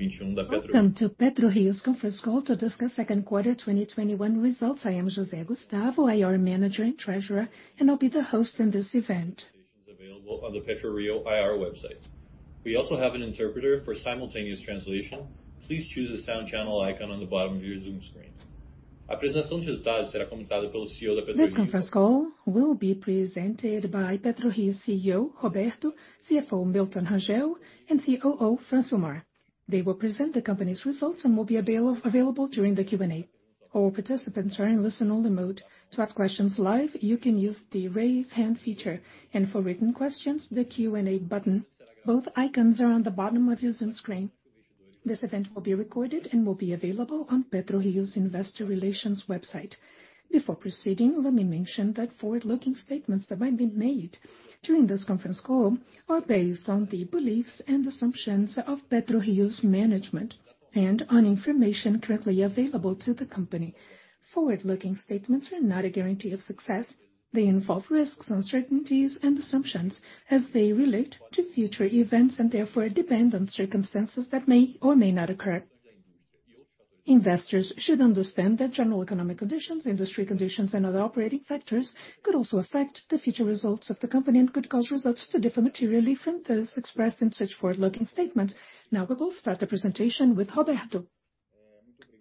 Welcome to PetroRio's Conference Call to discuss second quarter 2021 results. I am José Gustavo, IR Manager and Treasurer, and I'll be the host in this event. Available on the PetroRio IR website. We also have an interpreter for simultaneous translation. Please choose the sound channel icon on the bottom of your Zoom screen. This conference call will be presented by PetroRio's CEO, Roberto Monteiro, CFO, Milton Rangel, and COO, Francilmar. They will present the company's results and will be available during the Q&A. All participants are in listen only mode. To ask questions live, you can use the raise hand feature, and for written questions, the Q&A button. Both icons are on the bottom of your Zoom screen. This event will be recorded and will be available on PetroRio's investor relations website. Before proceeding, let me mention that forward-looking statements that might be made during this conference call are based on the beliefs and assumptions of PetroRio's management and on information currently available to the company. Forward-looking statements are not a guarantee of success. They involve risks, uncertainties, and assumptions as they relate to future events, and therefore depend on circumstances that may or may not occur. Investors should understand that general economic conditions, industry conditions, and other operating factors could also affect the future results of the company and could cause results to differ materially from those expressed in such forward-looking statements. We will start the presentation with Roberto,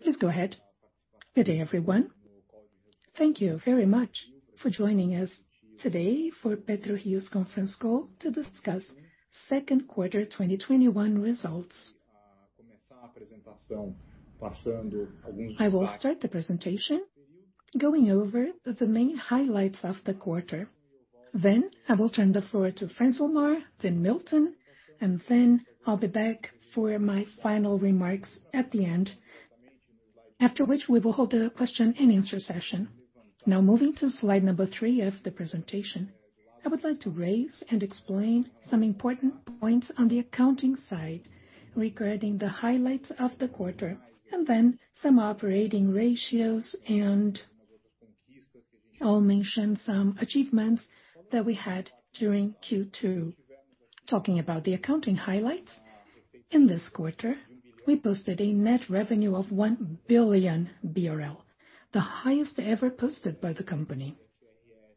please go ahead. Good day, everyone. Thank you very much for joining us today for PetroRio's conference call to discuss second quarter 2021 results. I will start the presentation going over the main highlights of the quarter. I will turn the floor to Francilmar, then Milton, and then I'll be back for my final remarks at the end. After which, we will hold a question and answer session. Moving to slide number three of the presentation. I would like to raise and explain some important points on the accounting side regarding the highlights of the quarter, then some operating ratios, I'll mention some achievements that we had during Q2. Talking about the accounting highlights, in this quarter, we posted a net revenue of 1 billion BRL, the highest ever posted by the company.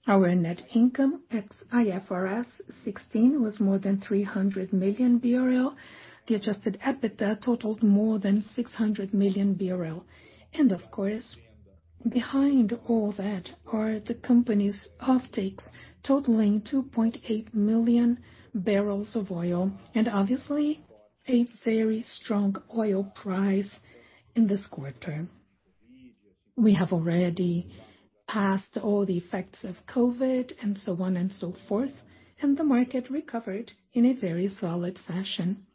Our net income at IFRS 16 was more than 300 million BRL. The adjusted EBITDA totaled more than 600 million BRL. Of course, behind all that are the company's offtakes totaling 2.8 MMbbl, obviously, a very strong oil price in this quarter. We have already passed all the effects of COVID, and so on and so forth, the market recovered in a very solid fashion.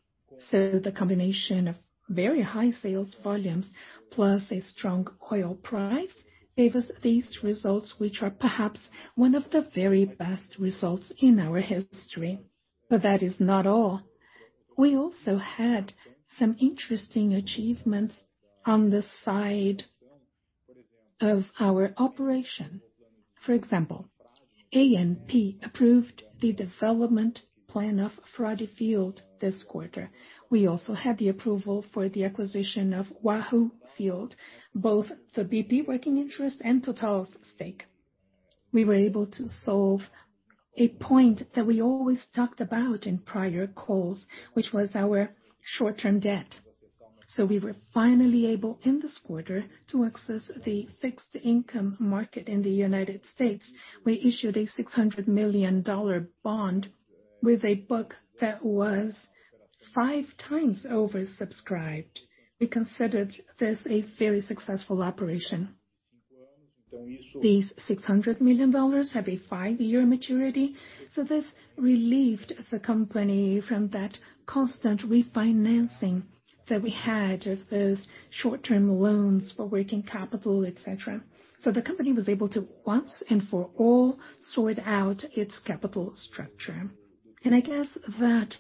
The combination of very high sales volumes plus a strong oil price gave us these results, which are perhaps one of the very best results in our history. That is not all. We also had some interesting achievements on the side of our operation. For example, ANP approved the development plan of Frade Field this quarter. We also had the approval for the acquisition of Wahoo Field, both for BP working interest and Total's stake. We were able to solve a point that we always talked about in prior calls, which was our short-term debt. We were finally able, in this quarter, to access the fixed income market in the U.S. We issued a $600 million bond with a book that was five times oversubscribed. We considered this a very successful operation. These $600 million have a five-year maturity. This relieved the company from that constant refinancing that we had of those short-term loans for working capital, et cetera. The company was able to once and for all sort out its capital structure. I guess that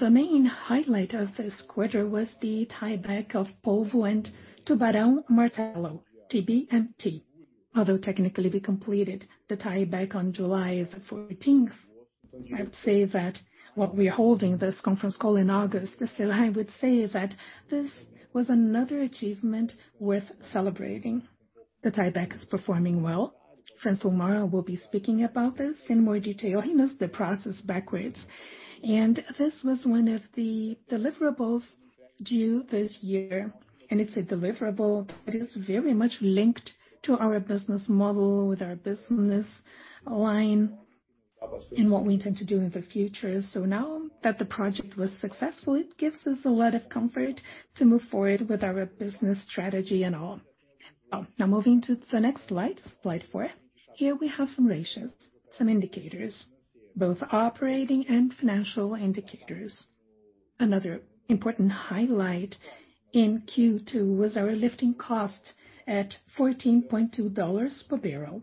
the main highlight of this quarter was the tieback of Polvo and Tubarão Martelo, TBMT. Although technically, we completed the tieback on July 14th, I would say that while we are holding this conference call in August, still I would say that this was another achievement worth celebrating. The tieback is performing well. Francilmar will be speaking about this in more detail. He knows the process backwards. This was one of the deliverables due this year, and it's a deliverable that is very much linked to our business model, with our business line, and what we intend to do in the future. Now that the project was successful, it gives us a lot of comfort to move forward with our business strategy and all. Moving to the next slide four. Here we have some ratios, some indicators, both operating and financial indicators. Another important highlight in Q2 was our lifting cost at $14.20/bbl.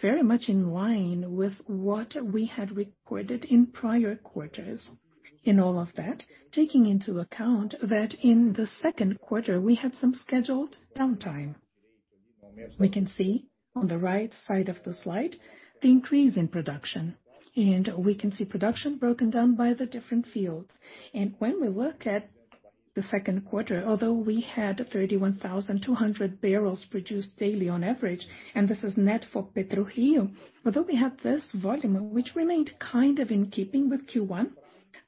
Fairly much in line with what we had recorded in prior quarters. In all of that, taking into account that in the second quarter, we had some scheduled downtime. We can see on the right side of the slide, the increase in production, and we can see production broken down by the different fields. When we look at the second quarter, although we had 31,200 bbl produced daily on average, and this is net for PetroRio, although we had this volume, which remained kind of in keeping with Q1,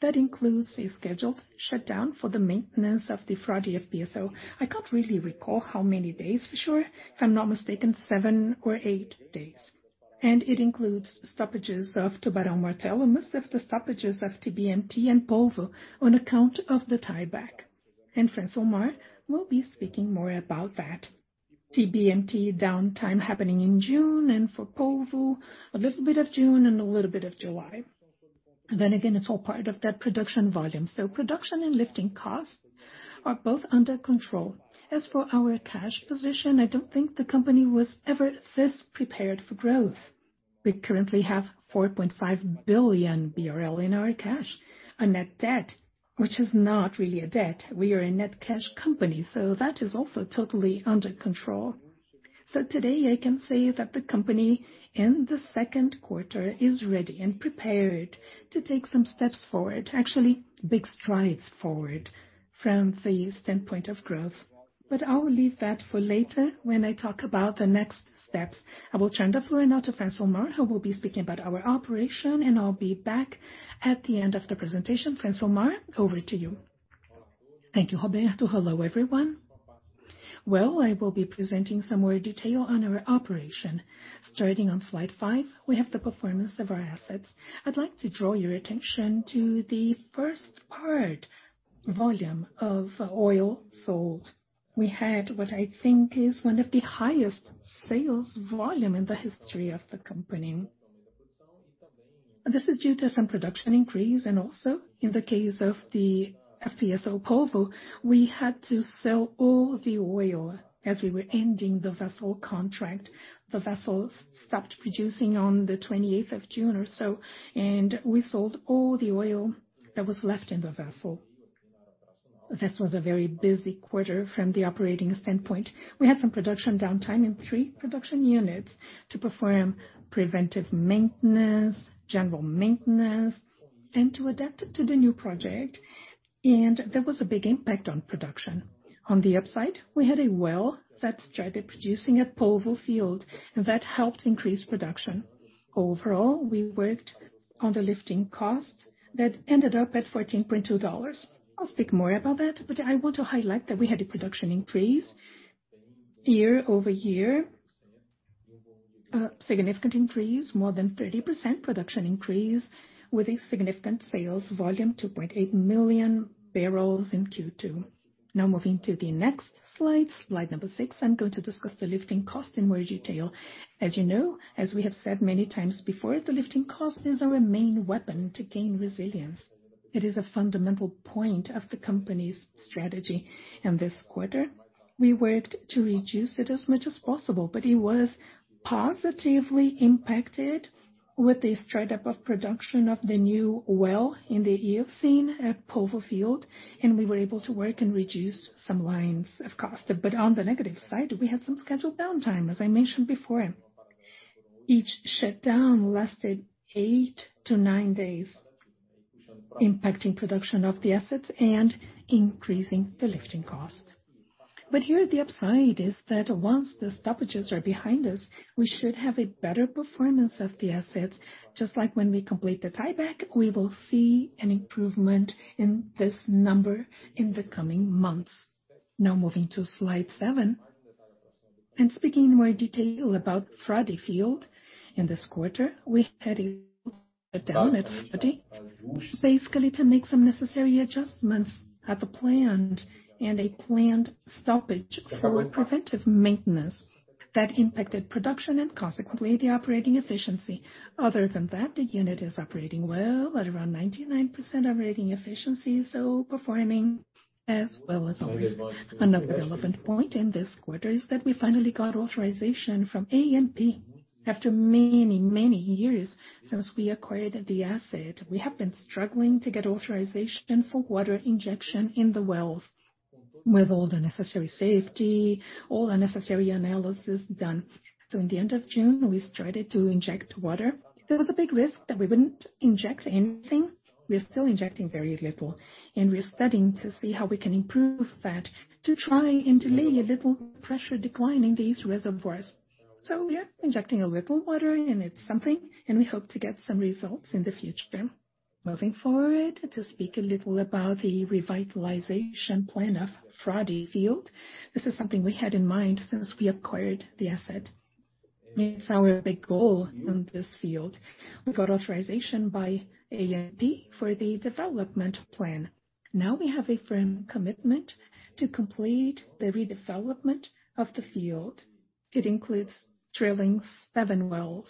that includes a scheduled shutdown for the maintenance of the Frade FPSO. I can't really recall how many days for sure. If I'm not mistaken, seven or eight days. It includes stoppages of Tubarão Martelo, most of the stoppages of TBMT and Polvo on account of the tieback. Francisco Francilmar Fernandes will be speaking more about that. TBMT downtime happening in June, and for Polvo, a little bit of June and a little bit of July. It's all part of that production volume. Production and lifting costs are both under control. Our cash position, I don't think the company was ever this prepared for growth. We currently have 4.5 billion BRL in our cash. Our net debt, which is not really a debt. We are a net cash company, that is also totally under control. Today I can say that the company in the second quarter is ready and prepared to take some steps forward, actually, big strides forward from the standpoint of growth. I will leave that for later when I talk about the next steps. I will turn the floor now to Francisco Mauro, who will be speaking about our operation, and I'll be back at the end of the presentation. Francisco Mauro, over to you. Thank you, Roberto. Hello, everyone. I will be presenting some more detail on our operation. Starting on slide five, we have the performance of our assets. I'd like to draw your attention to the first part volume of oil sold. We had what I think is one of the highest sales volume in the history of the company. This is due to some production increase. Also, in the case of the FPSO Polvo, we had to sell all the oil as we were ending the vessel contract. The vessel stopped producing on the 28th of June or so. We sold all the oil that was left in the vessel. This was a very busy quarter from the operating standpoint. We had some production downtime in three production units to perform preventive maintenance, general maintenance, and to adapt to the new project. There was a big impact on production. On the upside, we had a well that started producing at Polvo field. That helped increase production. Overall, we worked on the lifting cost that ended up at $14.20. I'll speak more about that. I want to highlight that we had a production increase year-over-year. A significant increase, more than 30% production increase with a significant sales volume, 2.8 MMbbl in Q2. Moving to the next slide number six, I'm going to discuss the lifting cost in more detail. As you know, as we have said many times before, the lifting cost is our main weapon to gain resilience. It is a fundamental point of the company's strategy. In this quarter, we worked to reduce it as much as possible. It was positively impacted with the start-up of production of the new well in the Eocene at Polvo field. We were able to work and reduce some lines of cost. On the negative side, we had some scheduled downtime, as I mentioned before. Each shutdown lasted eight to nine days, impacting production of the assets and increasing the lifting cost. Here, the upside is that once the stoppages are behind us, we should have a better performance of the assets. Just like when we complete the tieback, we will see an improvement in this number in the coming months. Moving to slide seven, in speaking more detail about Frade field in this quarter, we had to make some necessary adjustments at the plant, and a planned stoppage for preventive maintenance that impacted production and consequently the operating efficiency. Other than that, the unit is operating well at around 99% operating efficiency, so performing as well as always. Another relevant point in this quarter is that we finally got authorization from ANP after many years since we acquired the asset. We have been struggling to get authorization for water injection in the wells with all the necessary safety, all the necessary analysis done. At the end of June, we started to inject water. There was a big risk that we wouldn't inject anything. We're still injecting very little, and we're studying to see how we can improve that to try and delay a little pressure decline in these reservoirs. We're injecting a little water in, it's something, and we hope to get some results in the future. Moving forward to speak a little about the revitalization plan of Frade field. This is something we had in mind since we acquired the asset. It's our big goal in this field. We got authorization by ANP for the development plan. Now we have a firm commitment to complete the redevelopment of the field. It includes drilling seven wells,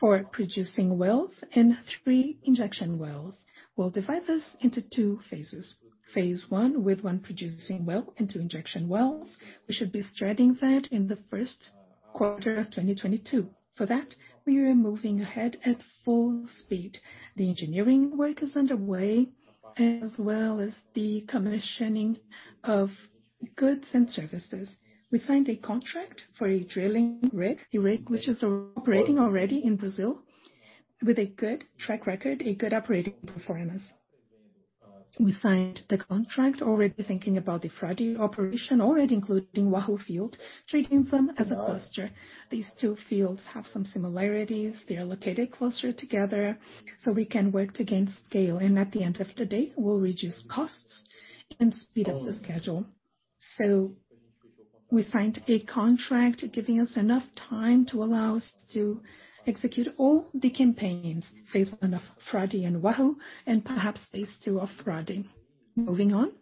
four producing wells and three injection wells. We'll divide this into two phases. Phase I with one producing well and two injection wells. We should be starting that in the first quarter of 2022. For that, we are moving ahead at full speed. The engineering work is underway, as well as the commissioning of goods and services. We signed a contract for a drilling rig, a rig which is operating already in Brazil, with a good track record, a good operating performance. We signed the contract already thinking about the Frade operation, already including Wahoo field, treating them as a cluster. These two fields have some similarities. They are located closer together, we can work against scale. At the end of the day, we'll reduce costs and speed up the schedule. We signed a contract giving us enough time to allow us to execute all the campaigns, phase one of Frade and Wahoo, and perhaps phase two of Frade. Moving on.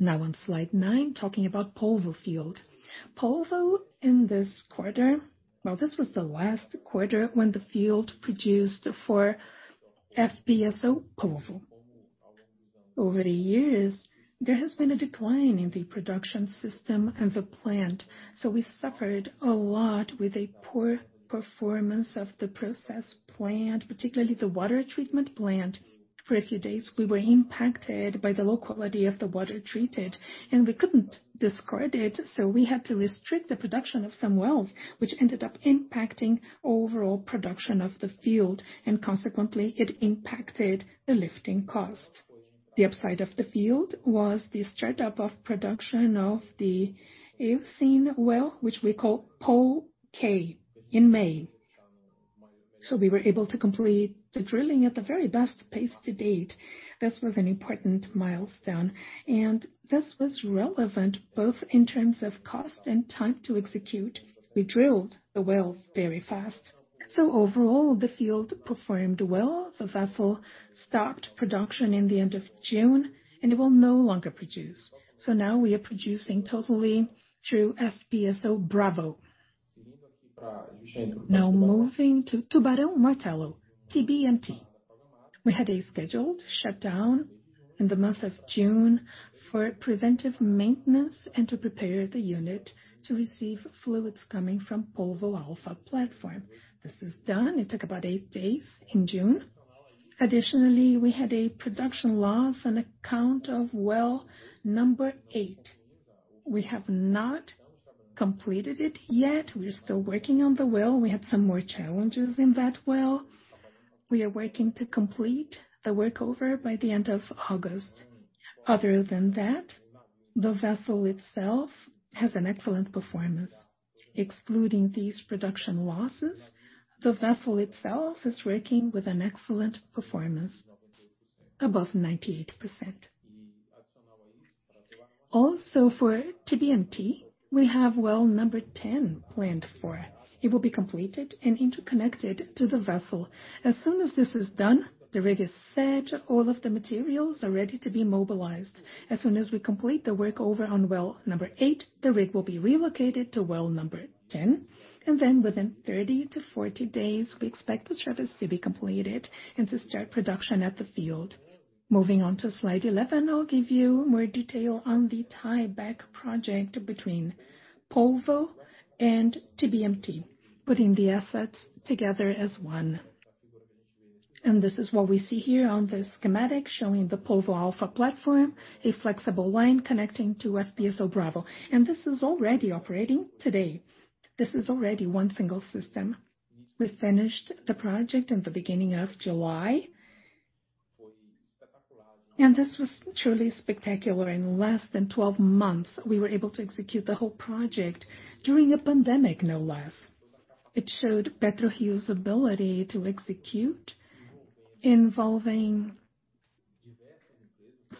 Now on slide nine, talking about Polvo field. Polvo in this quarter, well, this was the last quarter when the field produced for FPSO Polvo. Over the years, there has been a decline in the production system and the plant. We suffered a lot with a poor performance of the process plant, particularly the water treatment plant. For a few days, we were impacted by the low quality of the water treated, and we couldn't discard it, so we had to restrict the production of some wells, which ended up impacting overall production of the field, and consequently, it impacted the lifting cost. The upside of the field was the start-up of production of the Eocene well, which we call POL-K, in May. We were able to complete the drilling at the very best pace to date. This was an important milestone, and this was relevant both in terms of cost and time to execute. We drilled the wells very fast. Overall, the field performed well. The vessel stopped production in the end of June, and it will no longer produce. Now we are producing totally through FPSO Bravo. Now moving to Tubarão Martelo, TBMT. We had a scheduled shutdown in the month of June for preventive maintenance and to prepare the unit to receive fluids coming from Polvo Alpha platform. This is done. It took about eight days in June. Additionally, we had a production loss on account of well number eight, we have not completed it yet. We're still working on the well, we had some more challenges in that well. We are working to complete the workover by the end of August. Other than that, the vessel itself has an excellent performance. Excluding these production losses, the vessel itself is working with an excellent performance, above 98%. Also, for TBMT, we have well number 10 planned for. It will be completed and interconnected to the vessel. As soon as this is done, the rig is set, all of the materials are ready to be mobilized. As soon as we complete the workover on well number eight, the rig will be relocated to well number 10, and then within 30-40 days, we expect the service to be completed and to start production at the field. Moving on to slide 11, I'll give you more detail on the tieback project between Polvo and TBMT, putting the assets together as one. This is what we see here on this schematic showing the Polvo Alpha platform, a flexible line connecting to FPSO Bravo. This is already operating today. This is already one single system. We finished the project in the beginning of July. This was truly spectacular. In less than 12 months, we were able to execute the whole project during a pandemic, no less. It showed PetroRio's ability to execute, involving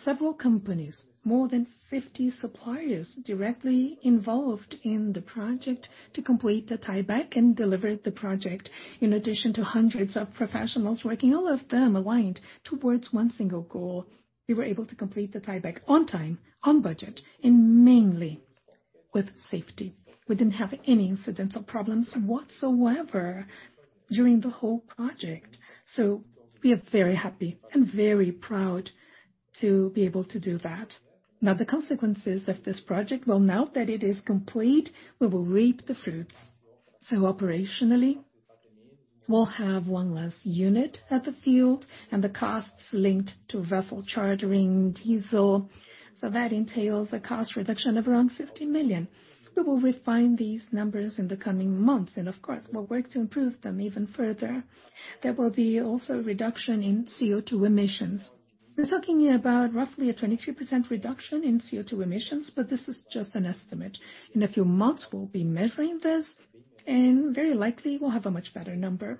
several companies. More than 50 suppliers directly involved in the project to complete the tieback and deliver the project, in addition to hundreds of professionals working, all of them aligned towards one single goal. We were able to complete the tieback on time, on budget, and mainly, with safety. We didn't have any incidental problems whatsoever during the whole project. We are very happy and very proud to be able to do that. The consequences of this project, now that it is complete, we will reap the fruits. Operationally, we'll have one less unit at the field and the costs linked to vessel chartering diesel. That entails a cost reduction of around $15 million. We will refine these numbers in the coming months, and of course, we'll work to improve them even further. There will be also a reduction in CO2 emissions. We're talking about roughly a 23% reduction in CO2 emissions, but this is just an estimate. In a few months, we'll be measuring this, and very likely we'll have a much better number.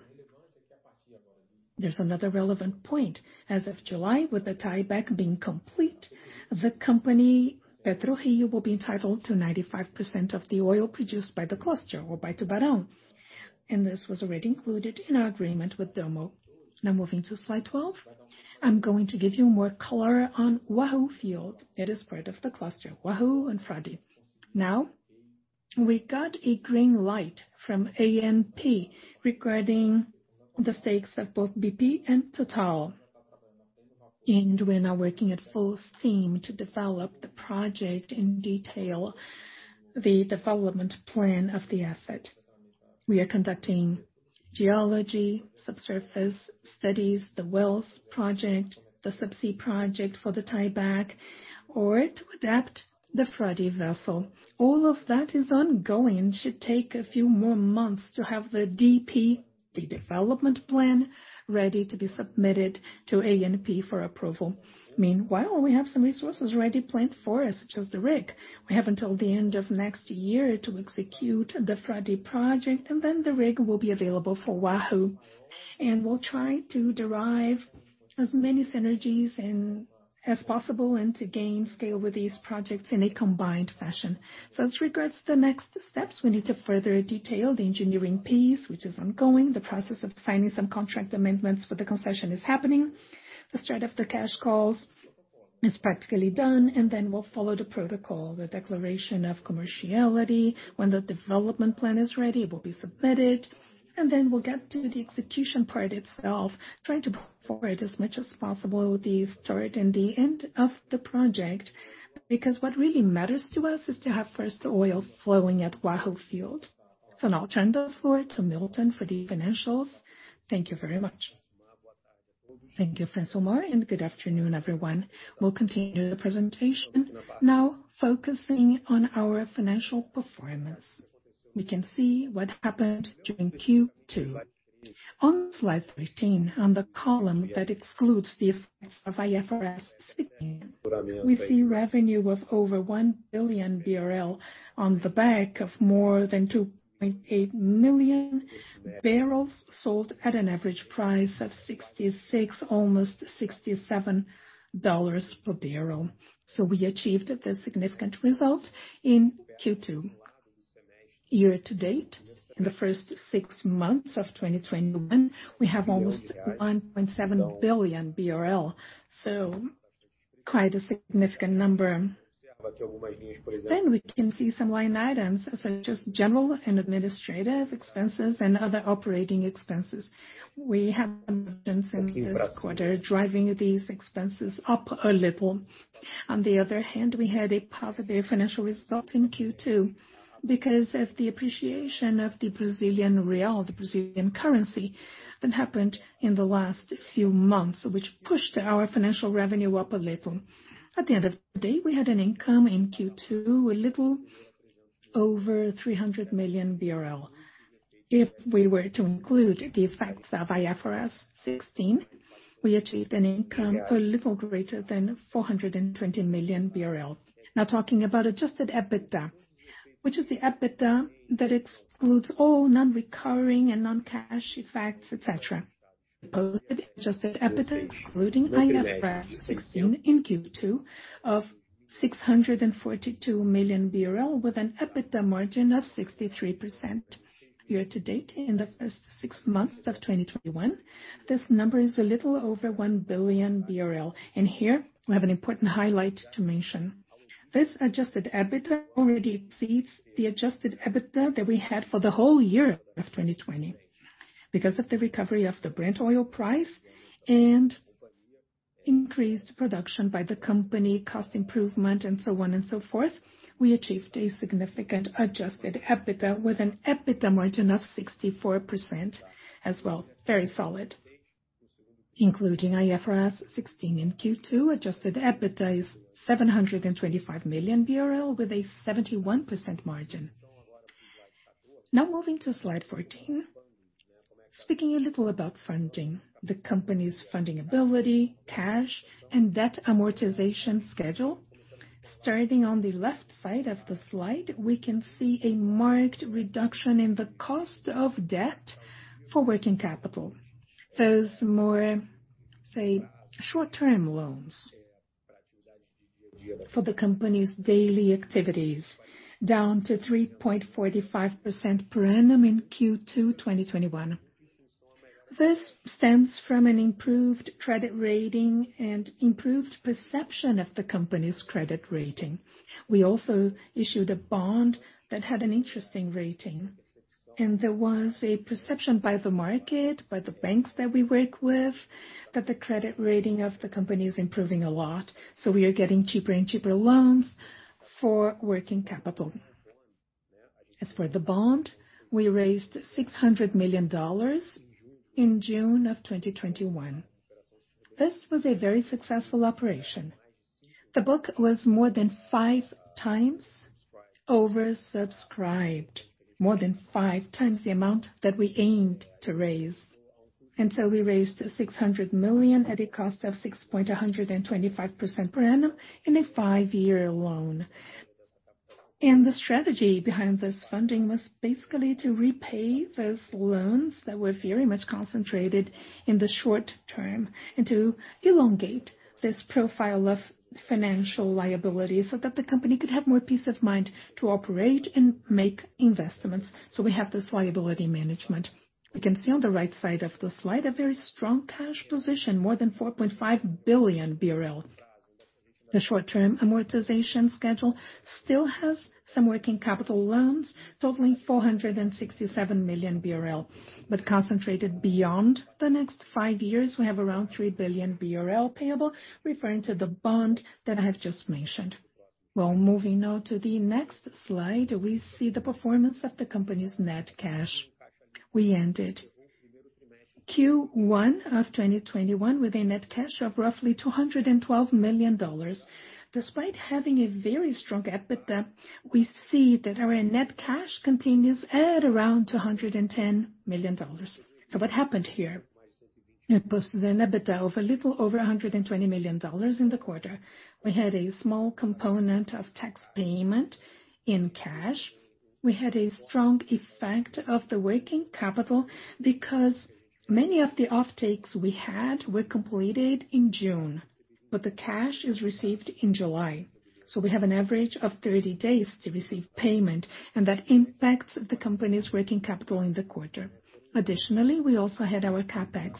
There's another relevant point. As of July, with the tieback being complete, the company, PetroRio, will be entitled to 95% of the oil produced by the cluster or by Tubarão. This was already included in our agreement with Dommo. Moving to slide 12, I'm going to give you more color on Wahoo field. It is part of the cluster, Wahoo and Frade. We got a green light from ANP regarding the stakes of both BP and Total and we are now working at full steam to develop the project in detail the development plan of the asset. We are conducting geology, subsurface studies, the wells project, the subsea project for the tieback, or to adapt the Frade vessel. All of that is ongoing, should take a few more months to have the DP, the development plan, ready to be submitted to ANP for approval. Meanwhile, we have some resources already planned for us, such as the rig. We have until the end of next year to execute the Frade project, and then the rig will be available for Wahoo. We'll try to derive as many synergies as possible and to gain scale with these projects in a combined fashion. As regards to the next steps, we need to further detail the engineering piece, which is ongoing. The process of signing some contract amendments for the concession is happening. The start of the cash calls is practically done, and then we'll follow the protocol, the declaration of commerciality. When the development plan is ready, it will be submitted, then we'll get to the execution part itself, trying to forward as much as possible the start and the end of the project, because what really matters to us is to have first oil flowing at Wahoo field. Now I'll turn the floor to Milton for the financials. Thank you very much. Thank you, Francilmar, good afternoon, everyone. We'll continue the presentation now focusing on our financial performance. We can see what happened during Q2. On slide 13, on the column that excludes the effects of IFRS 16, we see revenue of over 1 billion BRL on the back of more than 2.8 MMbbl sold at an average price of $66, almost $67/bbl. We achieved this significant result in Q2. Year to date, in the first six months of 2021, we have almost 1.7 billion BRL, quite a significant number. We can see some line items, such as general and administrative expenses and other operating expenses. We have this quarter driving these expenses up a level. On the other hand, we had a positive financial result in Q2 because of the appreciation of the Brazilian real, the Brazilian currency, that happened in the last few months, which pushed our financial revenue up a little. At the end of the day, we had an income in Q2, a little over 300 million BRL. If we were to include the effects of IFRS 16, we achieved an income a little greater than 420 million BRL. Talking about adjusted EBITDA, which is the EBITDA that excludes all non-recurring and non-cash effects, et cetera. We posted adjusted EBITDA excluding IFRS 16 in Q2 of 642 million BRL, with an EBITDA margin of 63%. Year-to-date, in the first six months of 2021, this number is a little over 1 billion BRL. Here we have an important highlight to mention. This adjusted EBITDA already exceeds the adjusted EBITDA that we had for the whole year of 2020. Because of the recovery of the Brent oil price and increased production by the company, cost improvement, and so on and so forth, we achieved a significant adjusted EBITDA with an EBITDA margin of 64%, as well, very solid. Including IFRS 16 in Q2, adjusted EBITDA is 725 million BRL with a 71% margin. Now moving to slide 14, speaking a little about funding. The company's funding ability, cash, and debt amortization schedule. Starting on the left side of the slide, we can see a marked reduction in the cost of debt for working capital. Those more, say, short-term loans for the company's daily activities, down to 3.45% per annum in Q2 2021. This stems from an improved credit rating and improved perception of the company's credit rating. We also issued a bond that had an interesting rating. There was a perception by the market, by the banks that we work with, that the credit rating of the company is improving a lot. We are getting cheaper and cheaper loans for working capital. As for the bond, we raised $600 million in June of 2021. This was a very successful operation. The book was more than five times oversubscribed, more than five times the amount that we aimed to raise. We raised $600 million at a cost of 6.125% per annum in a five-year loan. The strategy behind this funding was basically to repay those loans that were very much concentrated in the short term and to elongate this profile of financial liability so that the company could have more peace of mind to operate and make investments. We have this liability management. We can see on the right side of the slide a very strong cash position, more than 4.5 billion BRL. The short-term amortization schedule still has some working capital loans totaling 467 million BRL. Concentrated beyond the next five years, we have around 3 billion BRL payable, referring to the bond that I have just mentioned. Moving now to the next slide, we see the performance of the company's net cash. We ended Q1 of 2021 with a net cash of roughly $212 million. Despite having a very strong EBITDA, we see that our net cash continues at around $210 million. What happened here? It was the EBITDA of a little over $120 million in the quarter. We had a small component of tax payment in cash. We had a strong effect of the working capital because many of the offtakes we had were completed in June, but the cash is received in July. We have an average of 30 days to receive payment, and that impacts the company's working capital in the quarter. Additionally, we also had our CapEx.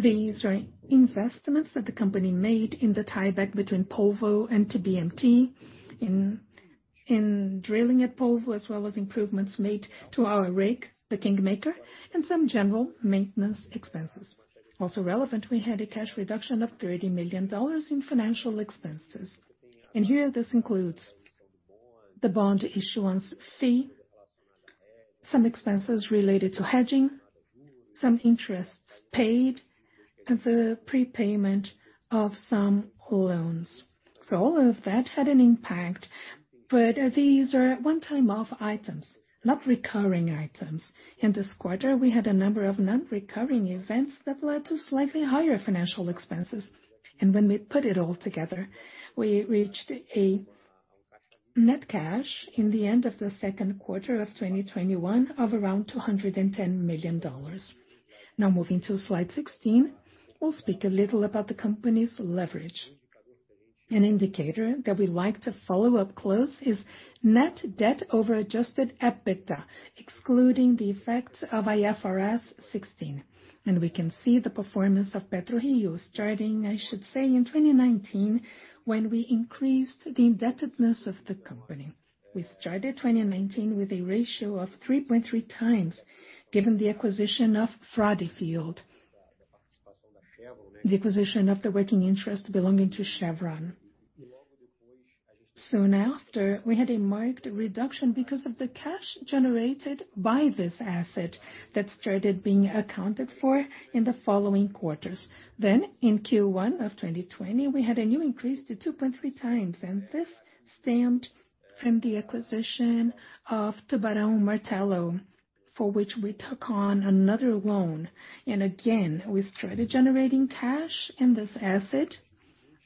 These are investments that the company made in the tieback between Polvo and TBMT, in drilling at Polvo, as well as improvements made to our rig, the King Maker, and some general maintenance expenses. Also relevant, we had a cash reduction of $30 million in financial expenses. Here, this includes the bond issuance fee, some expenses related to hedging, some interests paid, and the prepayment of some loans. All of that had an impact, but these are one-time off items, not recurring items. In this quarter, we had a number of non-recurring events that led to slightly higher financial expenses. When we put it all together, we reached a net cash in the end of the second quarter of 2021 of around $210 million. Moving to slide 16, we'll speak a little about the company's leverage. An indicator that we like to follow up close is net debt over adjusted EBITDA, excluding the effects of IFRS 16. We can see the performance of PetroRio starting, I should say, in 2019, when we increased the indebtedness of the company. We started 2019 with a ratio of 3.3x, given the acquisition of Frade field, the acquisition of the working interest belonging to Chevron. Soon after, we had a marked reduction because of the cash generated by this asset that started being accounted for in the following quarters. In Q1 of 2020, we had a new increase to 2.3x, and this stemmed from the acquisition of Tubarão Martelo, for which we took on another loan. Again, we started generating cash in this asset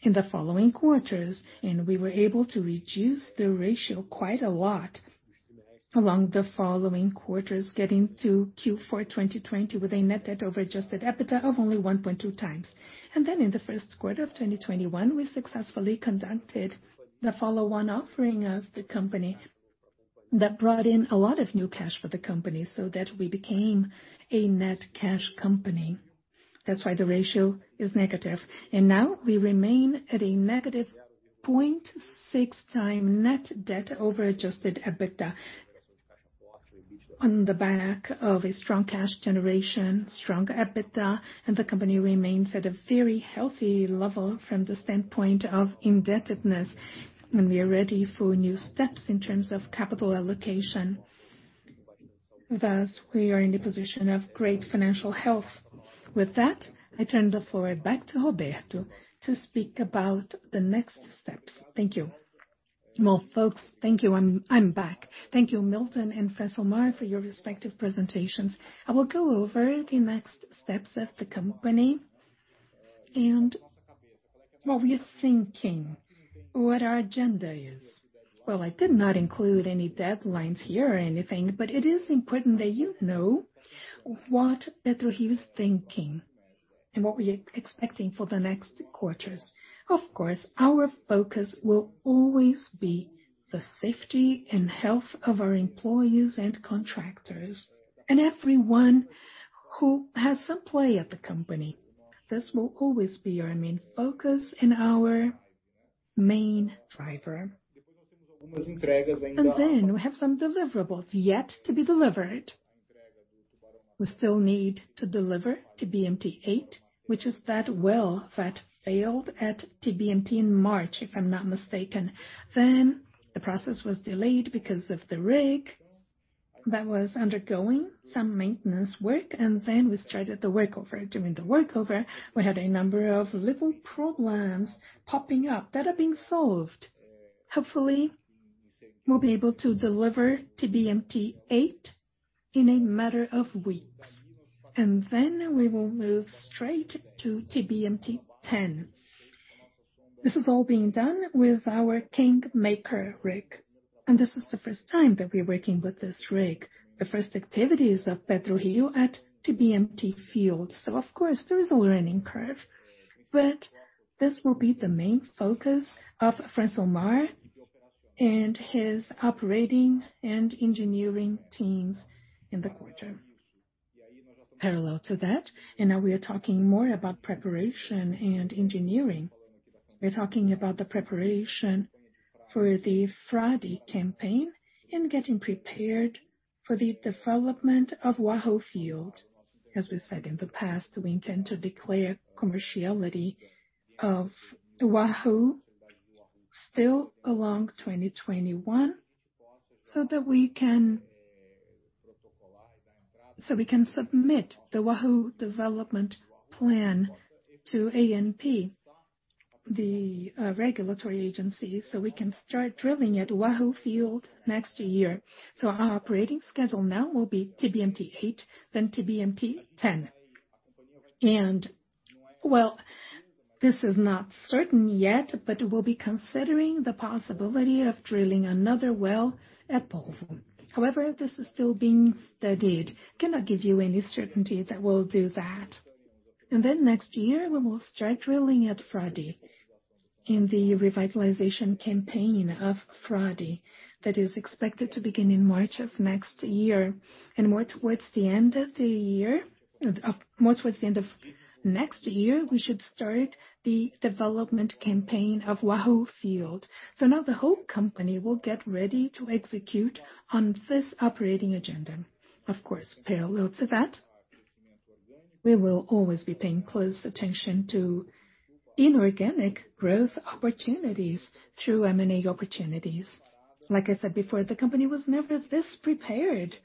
in the following quarters, and we were able to reduce the ratio quite a lot along the following quarters, getting to Q4 2020 with a net debt over adjusted EBITDA of only 1.2x. In the first quarter of 2021, we successfully conducted the follow-on offering of the company that brought in a lot of new cash for the company so that we became a net cash company. That's why the ratio is negative. Now we remain at a -0.6x net debt over adjusted EBITDA on the back of a strong cash generation, strong EBITDA, and the company remains at a very healthy level from the standpoint of indebtedness, and we are ready for new steps in terms of capital allocation. We are in a position of great financial health. With that, I turn the floor back to Roberto to speak about the next steps. Thank you. Folks, thank you, I'm back. Thank you, Milton and Francilmar, for your respective presentations. I will go over the next steps of the company and what we are thinking, what our agenda is. Well, I did not include any deadlines here or anything, but it is important that you know what PetroRio is thinking and what we are expecting for the next quarters. Of course, our focus will always be the safety and health of our employees and contractors and everyone who has some play at the company. This will always be our main focus and our main driver. We have some deliverables yet to be delivered. We still need to deliver TBMT-8, which is that well that failed at TBMT in March, if I'm not mistaken. The process was delayed because of the rig that was undergoing some maintenance work, and then we started the workover. During the workover, we had a number of little problems popping up that are being solved. Hopefully, we'll be able to deliver TBMT-8 in a matter of weeks. Then we will move straight to TBMT-10. This is all being done with our King Maker rig. This is the first time that we're working with this rig. The first activities of PetroRio at TBMT field. Of course, there is a learning curve. This will be the main focus of Francilmar and his operating and engineering teams in the quarter. Parallel to that, now we are talking more about preparation and engineering. We're talking about the preparation for the Frade campaign and getting prepared for the development of Wahoo field. As we said in the past, we intend to declare commerciality of Wahoo still along 2021, so we can submit the Wahoo development plan to ANP, the regulatory agency, so we can start drilling at Wahoo field next year. Our operating schedule now will be TBMT-8, then TBMT-10. Well, this is not certain yet, but we'll be considering the possibility of drilling another well at Polvo. However, this is still being studied. Cannot give you any certainty that we'll do that. Next year, we will start drilling at Frade in the revitalization campaign of Frade that is expected to begin in March of next year. More towards the end of next year, we should start the development campaign of Wahoo field. Now the whole company will get ready to execute on this operating agenda. Of course, parallel to that, we will always be paying close attention to inorganic growth opportunities through M&A opportunities. Like I said before, the company was never this prepared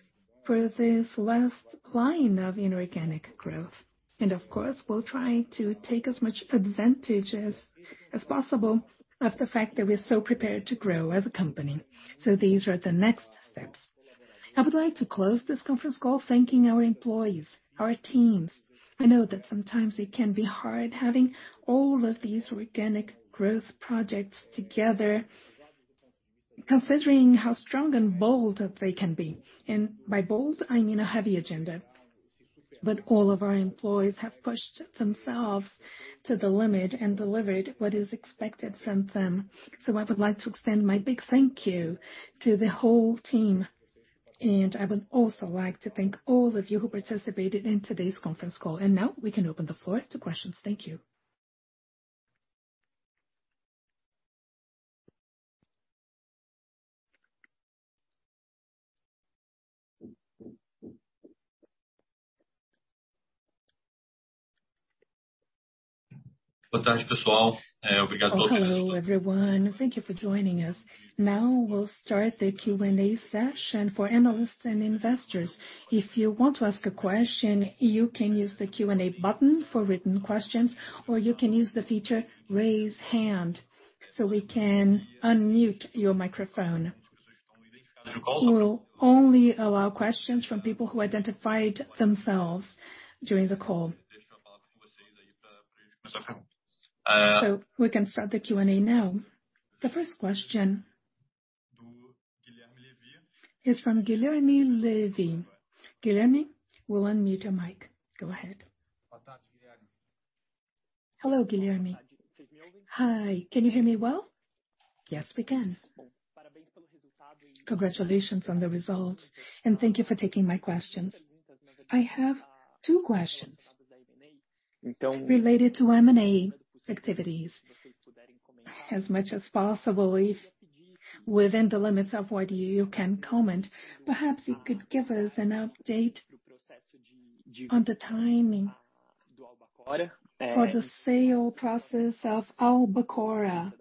for this last line of inorganic growth. Of course, we'll try to take as much advantage as possible of the fact that we're so prepared to grow as a company. These are the next steps. I would like to close this conference call thanking our employees, our teams. I know that sometimes it can be hard having all of these organic growth projects together, considering how strong and bold they can be. By bold, I mean a heavy agenda. All of our employees have pushed themselves to the limit and delivered what is expected from them. I would like to extend my big thank you to the whole team, and I would also like to thank all of you who participated in today's conference call. Now we can open the floor to questions. Thank you. Good afternoon, everyone. Thank you for joining us. Now we'll start the Q&A session for analysts and investors. If you want to ask a question, you can use the Q&A button for written questions, or you can use the feature Raise Hand so we can unmute your microphone. We will only allow questions from people who identified themselves during the call. We can start the Q&A now. The first question is from Guilherme Levy. Guilherme, we'll unmute your mic. Go ahead. Hello, Guilherme. Hi, can you hear me well? Yes, we can. Congratulations on the results, and thank you for taking my questions. I have two questions related to M&A activities. As much as possible, within the limits of what you can comment, perhaps you could give us an update on the timing for the sale process of Albacora.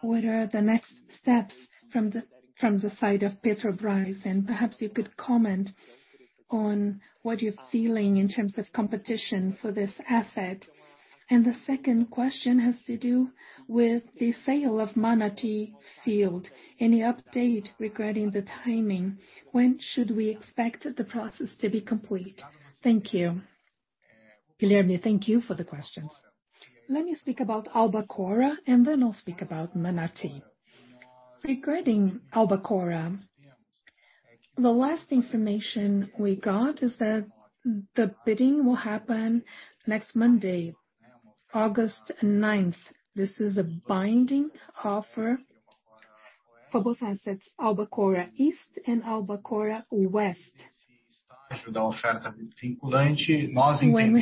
What are the next steps from the side of Petrobras, and perhaps you could comment on what you're feeling in terms of competition for this asset. The second question has to do with the sale of Manati field. Any update regarding the timing? When should we expect the process to be complete? Thank you. Guilherme, thank you for the questions. Let me speak about Albacora, then I'll speak about Manati. Regarding Albacora, the last information we got is that the bidding will happen next Monday, August nineth. This is a binding offer for both assets, Albacora East and Albacora West. We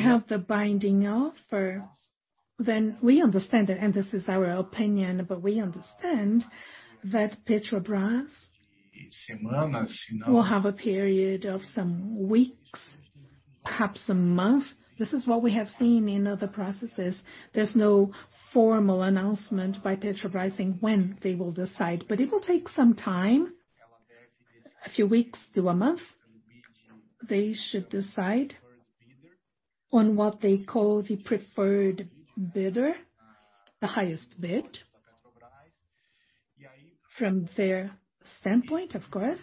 have the binding offer, we understand that, and this is our opinion, but we understand that Petrobras will have a period of some weeks, perhaps a month. This is what we have seen in other processes. There is no formal announcement by Petrobras saying when they will decide. It will take some time, a few weeks to a month. They should decide on what they call the preferred bidder, the highest bid from their standpoint, of course.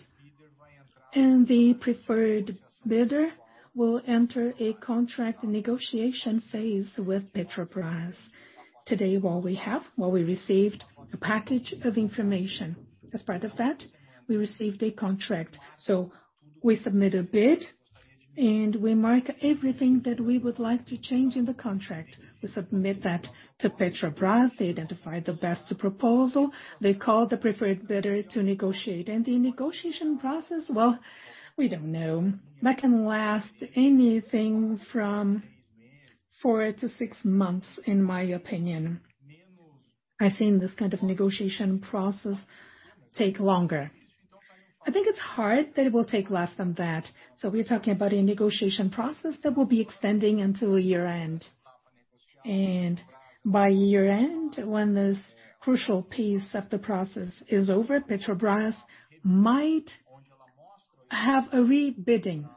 The preferred bidder will enter a contract negotiation phase with Petrobras. Today what we have, what we received, a package of information. As part of that, we received a contract. We submit a bid, and we mark everything that we would like to change in the contract, we submit that to Petrobras. They identify the best proposal. They call the preferred bidder to negotiate. The negotiation process, well, we don't know. That can last anything from four to six months, in my opinion. I've seen this kind of negotiation process take longer. I think it's hard that it will take less than that. We're talking about a negotiation process that will be extending until year-end. By year-end, when this crucial piece of the process is over, Petrobras might have a rebidding,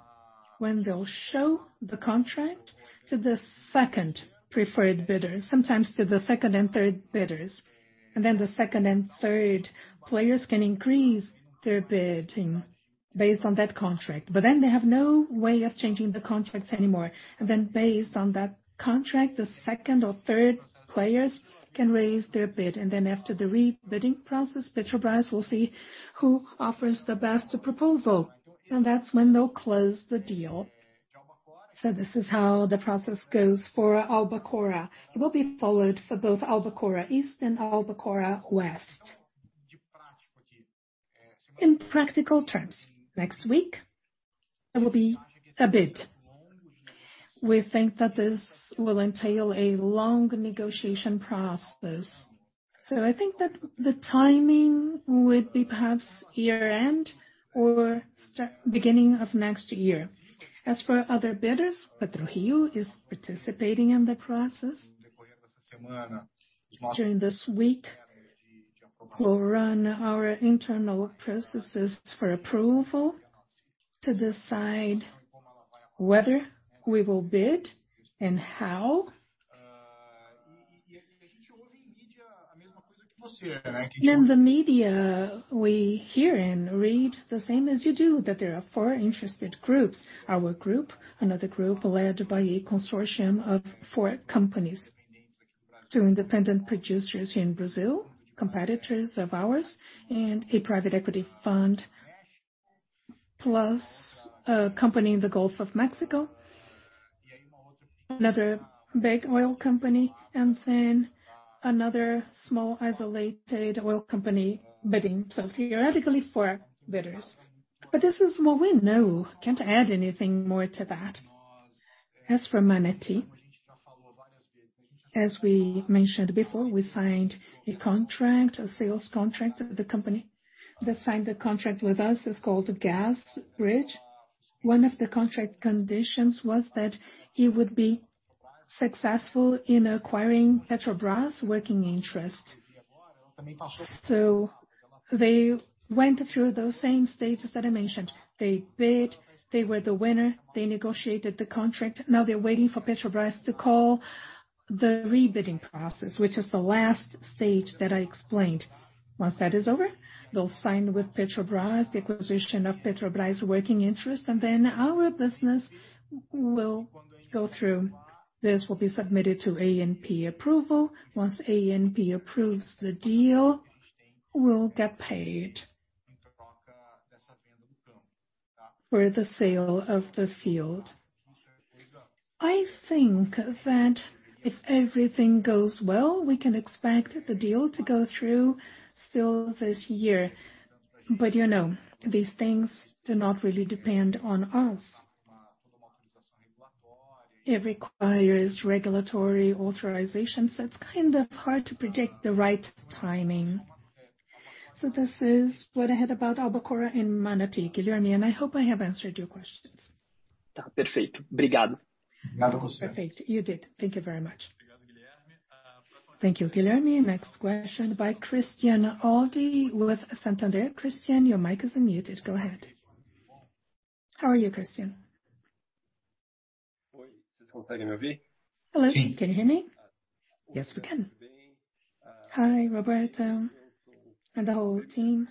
when they'll show the contract to the second preferred bidder, sometimes to the second and third bidders. The second and third players can increase their bidding based on that contract. They have no way of changing the contracts anymore. Based on that contract, the second or third players can raise their bid. After the rebidding process, Petrobras will see who offers the best proposal, and that's when they'll close the deal. This is how the process goes for Albacora. It will be followed for both Albacora East and Albacora West. In practical terms, next week, there will be a bid. We think that this will entail a long negotiation process. I think that the timing would be perhaps year-end or beginning of next year. As for other bidders, PetroPrio is participating in the process. During this week, we'll run our internal processes for approval to decide whether we will bid and how. In the media, we hear and read the same as you do, that there are four interested groups. Our group, another group led by a consortium of four companies, two independent producers here in Brazil, competitors of ours, and a private equity fund, plus a company in the Gulf of Mexico. Another big oil company, another small, isolated oil company bidding. Theoretically, four bidders. This is what we know, can't add anything more to that. As for Manati, as we mentioned before, we signed a contract, a sales contract. The company that signed the contract with us is called Gas Bridge. One of the contract conditions was that it would be successful in acquiring Petrobras working interest. They went through those same stages that I mentioned, they bid. They were the winner; they negotiated the contract. They're waiting for Petrobras to call the rebidding process, which is the last stage that I explained. Once that is over, they'll sign with Petrobras the acquisition of Petrobras working interest, and then our business will go through. This will be submitted to ANP approval. Once ANP approves the deal, we'll get paid for the sale of the field. I think that if everything goes well, we can expect the deal to go through still this year. These things do not really depend on us. It requires regulatory authorization, so it's kind of hard to predict the right timing. This is what I had about Albacora and Manati, Guilherme, and I hope I have answered your questions. Perfect, you did, thank you very much. Thank you, Guilherme. Next question by Christian Audi with Santander. Christian, your mic is unmuted, go ahead. How are you, Christian? Hello, can you hear me? Yes, we can. Hi, Roberto and the whole team.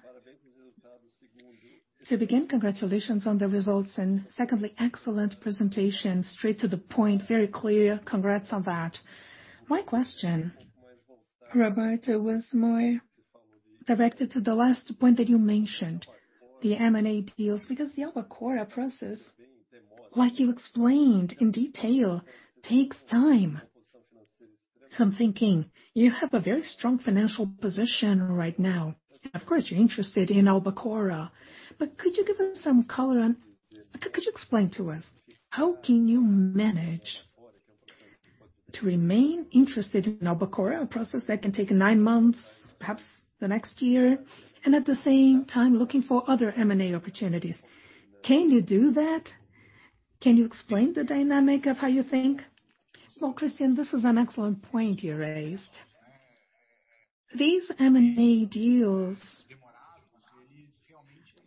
To begin, congratulations on the results and secondly, excellent presentation. Straight to the point, very clear, congrats on that. My question, Roberto, was more directed to the last point that you mentioned, the M&A deals, because the Albacora process, like you explained in detail, takes time. I'm thinking, you have a very strong financial position right now. Of course, you're interested in Albacora. Could you explain to us, how can you manage to remain interested in Albacora, a process that can take nine months, perhaps the next year, and at the same time, looking for other M&A opportunities? Can you do that? Can you explain the dynamic of how you think? Well, Christian, this is an excellent point you raised. These M&A deals,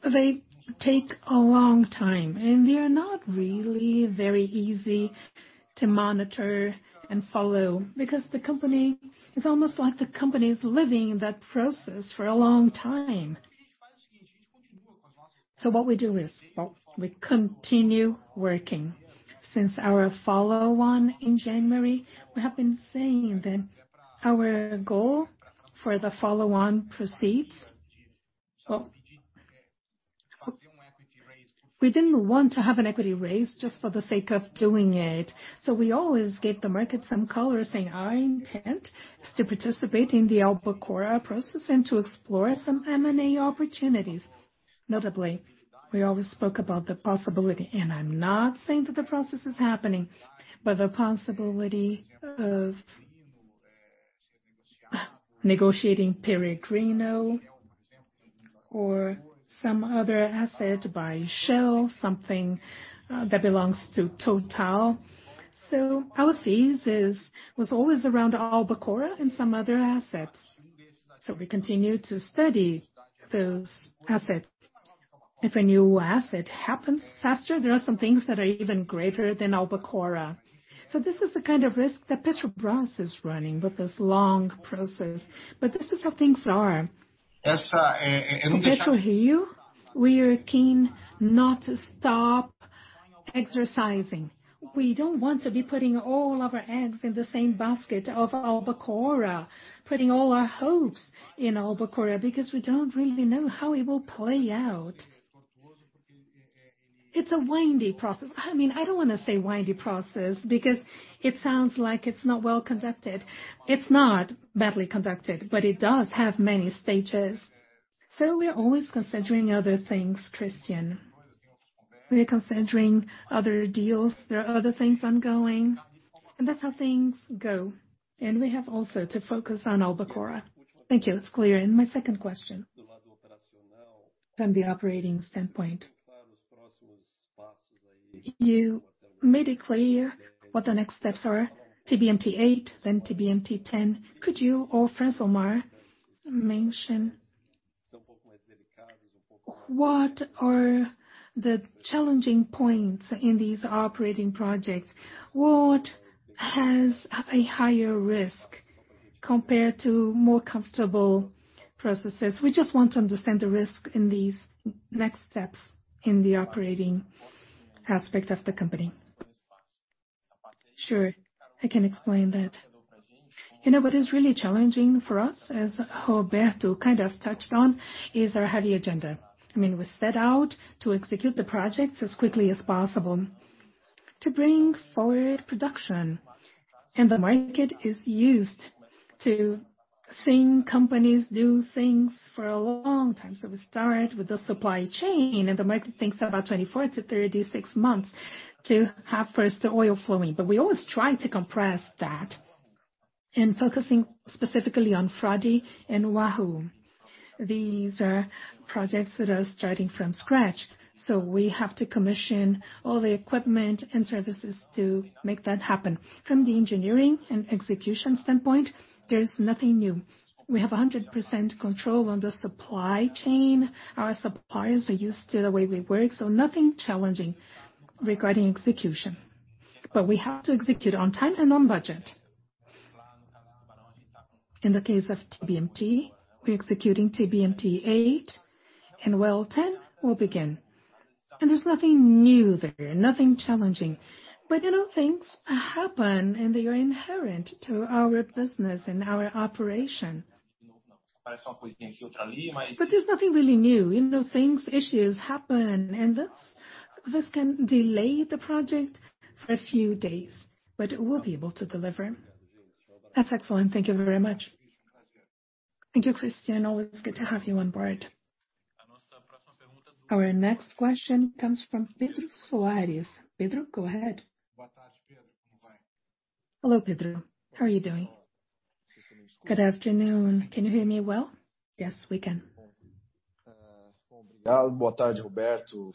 they take a long time, and they are not really very easy to monitor and follow because it's almost like the company's living that process for a long time. What we do is, we continue working. Since our follow-on in January, we have been saying that our goal for the follow-on proceeds. We didn't want to have an equity raise just for the sake of doing it. We always give the market some color, saying our intent is to participate in the Albacora process and to explore some M&A opportunities. Notably, we always spoke about the possibility, and I'm not saying that the process is happening, but the possibility of negotiating Peregrino or some other asset by Shell, something that belongs to Total. Our focus was always around Albacora and some other assets. We continue to study those assets. If a new asset happens faster, there are some things that are even greater than Albacora. This is the kind of risk that Petrobras is running with this long process. This is how things are, at PetroRio, we are keen not to stop exercising. We don't want to be putting all of our eggs in the same basket of Albacora, putting all our hopes in Albacora, because we don't really know how it will play out. It's a windy process. I don't want to say windy process because it sounds like it's not well conducted. It's not badly conducted, but it does have many stages. We are always considering other things, Christian. We are considering other deals. There are other things ongoing, and that's how things go, we have also to focus on Albacora. Thank you, it's clear, my second question, from the operating standpoint. You made it clear what the next steps are, TBMT-8, then TBMT-10. Could you or Francilmar mention what are the challenging points in these operating projects? What has a higher risk compared to more comfortable processes? We just want to understand the risk in these next steps in the operating aspect of the company. Sure, I can explain that. You know what is really challenging for us, as Roberto kind of touched on, is our heavy agenda. We set out to execute the projects as quickly as possible to bring forward production. The market is used to seeing companies do things for a long time. We start with the supply chain, and the market thinks about 24-36 months to have first oil flowing. We always try to compress that. In focusing specifically on Frade and Wahoo. These are projects that are starting from scratch, so we have to commission all the equipment and services to make that happen. From the engineering and execution standpoint, there's nothing new. We have 100% control on the supply chain. Our suppliers are used to the way we work, so nothing challenging regarding execution. We have to execute on time and on budget. In the case of TBMT, we're executing TBMT-8, and well 10 will begin. There's nothing new there, nothing challenging. Things happen, and they are inherent to our business and our operation. There's nothing really new. Issues happen, and this can delay the project for a few days, but we'll be able to deliver. That's excellent, thank you very much. Thank you, Christian. Always good to have you on board. Our next question comes from Pedro Soares, Pedro, go ahead. Hello, Pedro, how are you doing? Good afternoon, can you hear me well? Yes, we can. Good afternoon, Roberto,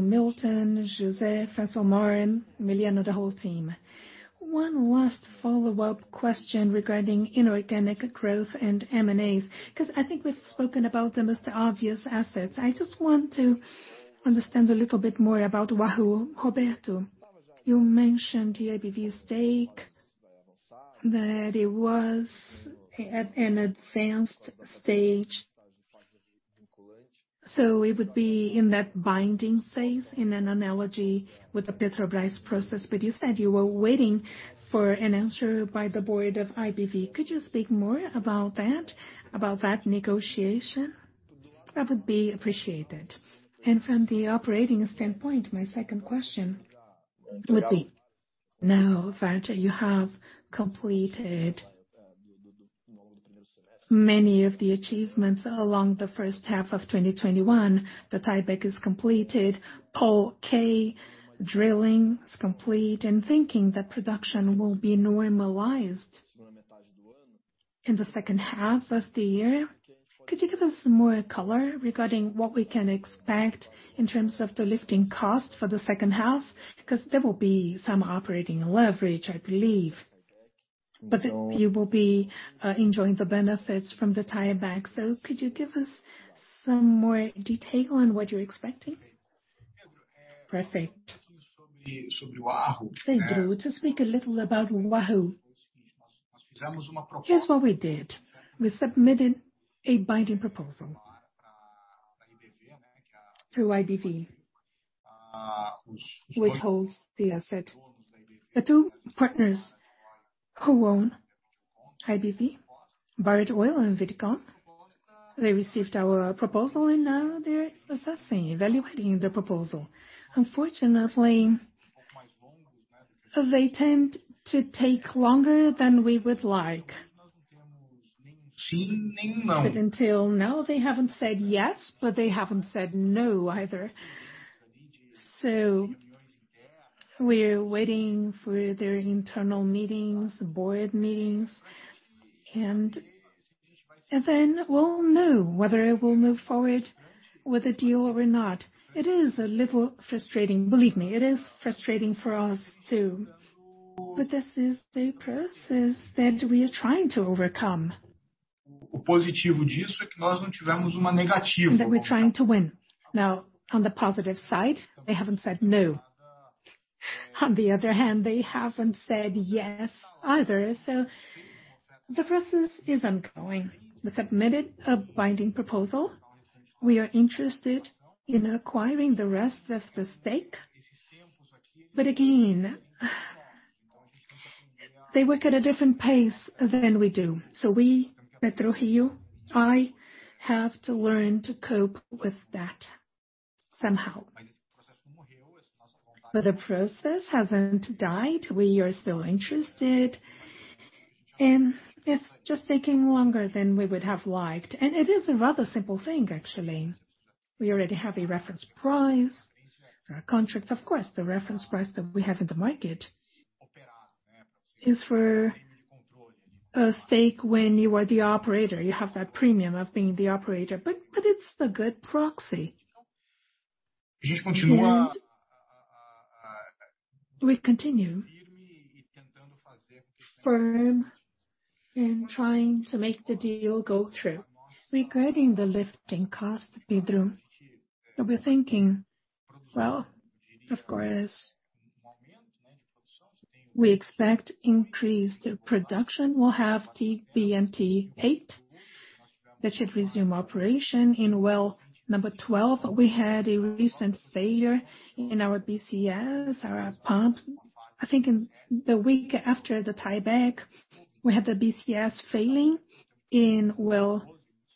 Milton, José, Francilmar, and Emiliano, the whole team. One last follow-up question regarding inorganic growth and M&As, because I think we've spoken about them as the obvious assets. I just want to understand a little bit more about Wahoo. Roberto, you mentioned the IBV stake, that it was at an advanced stage, so it would be in that binding phase in an analogy with the Petrobras process. You said you were waiting for an answer by the board of IBV. Could you speak more about that negotiation? That would be appreciated. From the operating standpoint, my second question would be, now that you have completed many of the achievements along the first half of 2021, the tieback is completed, POL-K drilling is complete, and thinking that production will be normalized in the second half of the year, could you give us more color regarding what we can expect in terms of the lifting cost for the second half? There will be some operating leverage, I believe. You will be enjoying the benefits from the tieback. Could you give us some more detail on what you're expecting? Perfect, Pedro, to speak a little about Wahoo. Here's what we did. We submitted a binding proposal to IBV, which holds the asset. The two partners who own IBV, and Vitol, they received our proposal, and now they're assessing, evaluating the proposal. Unfortunately, they tend to take longer than we would like. Until now, they haven't said yes, but they haven't said no either. We're waiting for their internal meetings, board meetings, and then we'll know whether it will move forward with a deal or not. It is a little frustrating. Believe me, it is frustrating for us, too. This is the process that we are trying to overcome. That we're trying to win. On the positive side, they haven't said no. On the other hand, they haven't said yes either. The process is ongoing. We submitted a binding proposal. We are interested in acquiring the rest of the stake. Again, they work at a different pace than we do. We, PetroRio, I have to learn to cope with that somehow. The process hasn't died. We are still interested, and it's just taking longer than we would have liked. It is a rather simple thing, actually. We already have a reference price, there are contracts. Of course, the reference price that we have in the market is for a stake when you are the operator. You have that premium of being the operator, it's a good proxy. We continue firm in trying to make the deal go through. Regarding the lifting cost, Pedro, we're thinking, well, of course, we expect increased production. We'll have TBMT-8 that should resume operation in well number 12. We had a recent failure in our BCS, our pump. I think in the week after the tieback, we had the BCS failing in well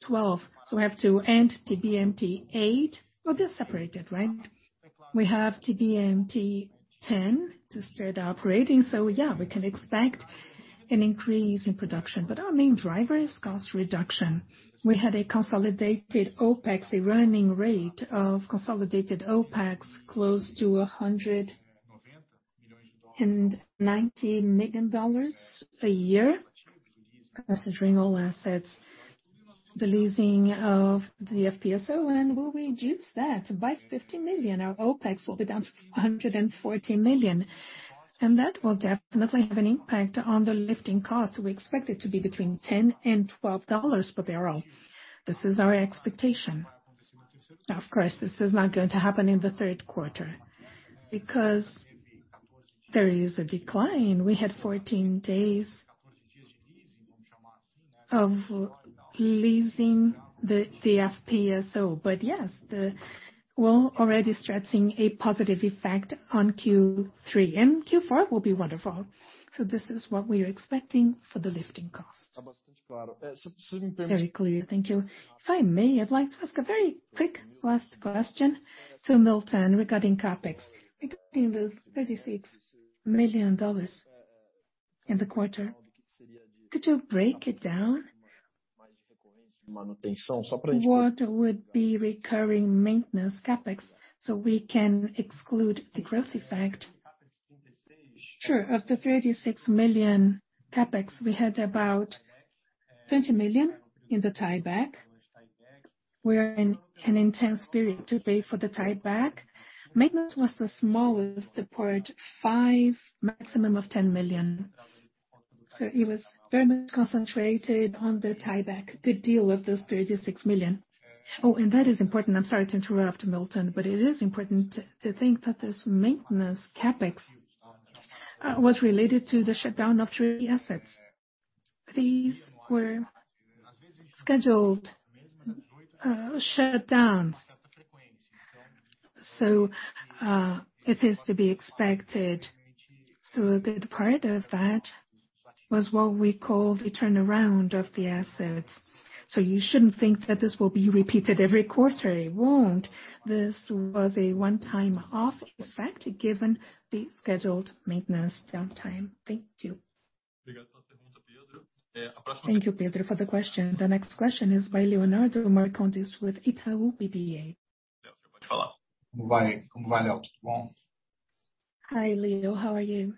12. We have to end TBMT-8. Well, they're separated, right? We have TBMT-10 to start operating. Yeah, we can expect an increase in production. Our main driver is cost reduction. We had a running rate of consolidated OpEx close to $190 million a year, considering all assets, the leasing of the FPSO. We'll reduce that by $50 million. Our OpEx will be down to $140 million, and that will definitely have an impact on the lifting cost. We expect it to be between $10/bbl and $12/bbl. This is our expectation. Of course, this is not going to happen in the third quarter because there is a decline. We had 14 days of leasing the FPSO. Yes, we're already stressing a positive effect on Q3, and Q4 will be wonderful. This is what we are expecting for the lifting cost. Very clear. Thank you. If I may, I'd like to ask a very quick last question to Milton regarding CapEx. Regarding those BRL 36 million in the quarter, could you break it down? What would be recurring maintenance CapEx so we can exclude the growth effect? Sure, of the 36 million CapEx, we had about 20 million in the tieback. We're in an intense period to pay for the tieback. Maintenance was the smallest part, 5 million-10 million. It was very much concentrated on the tieback, the deal with those 36 million. That is important, I'm sorry to interrupt, Milton. It is important to think that this maintenance CapEx was related to the shutdown of three assets. These were scheduled shutdowns. It is to be expected. A good part of that was what we call the turnaround of the assets. You shouldn't think that this will be repeated every quarter, it won't. This was a one-time off effect given the scheduled maintenance downtime. Thank you. Thank you, Pedro, for the question. The next question is by Leonardo Marcondes with Itaú BBA. Hi, Leo, how are you?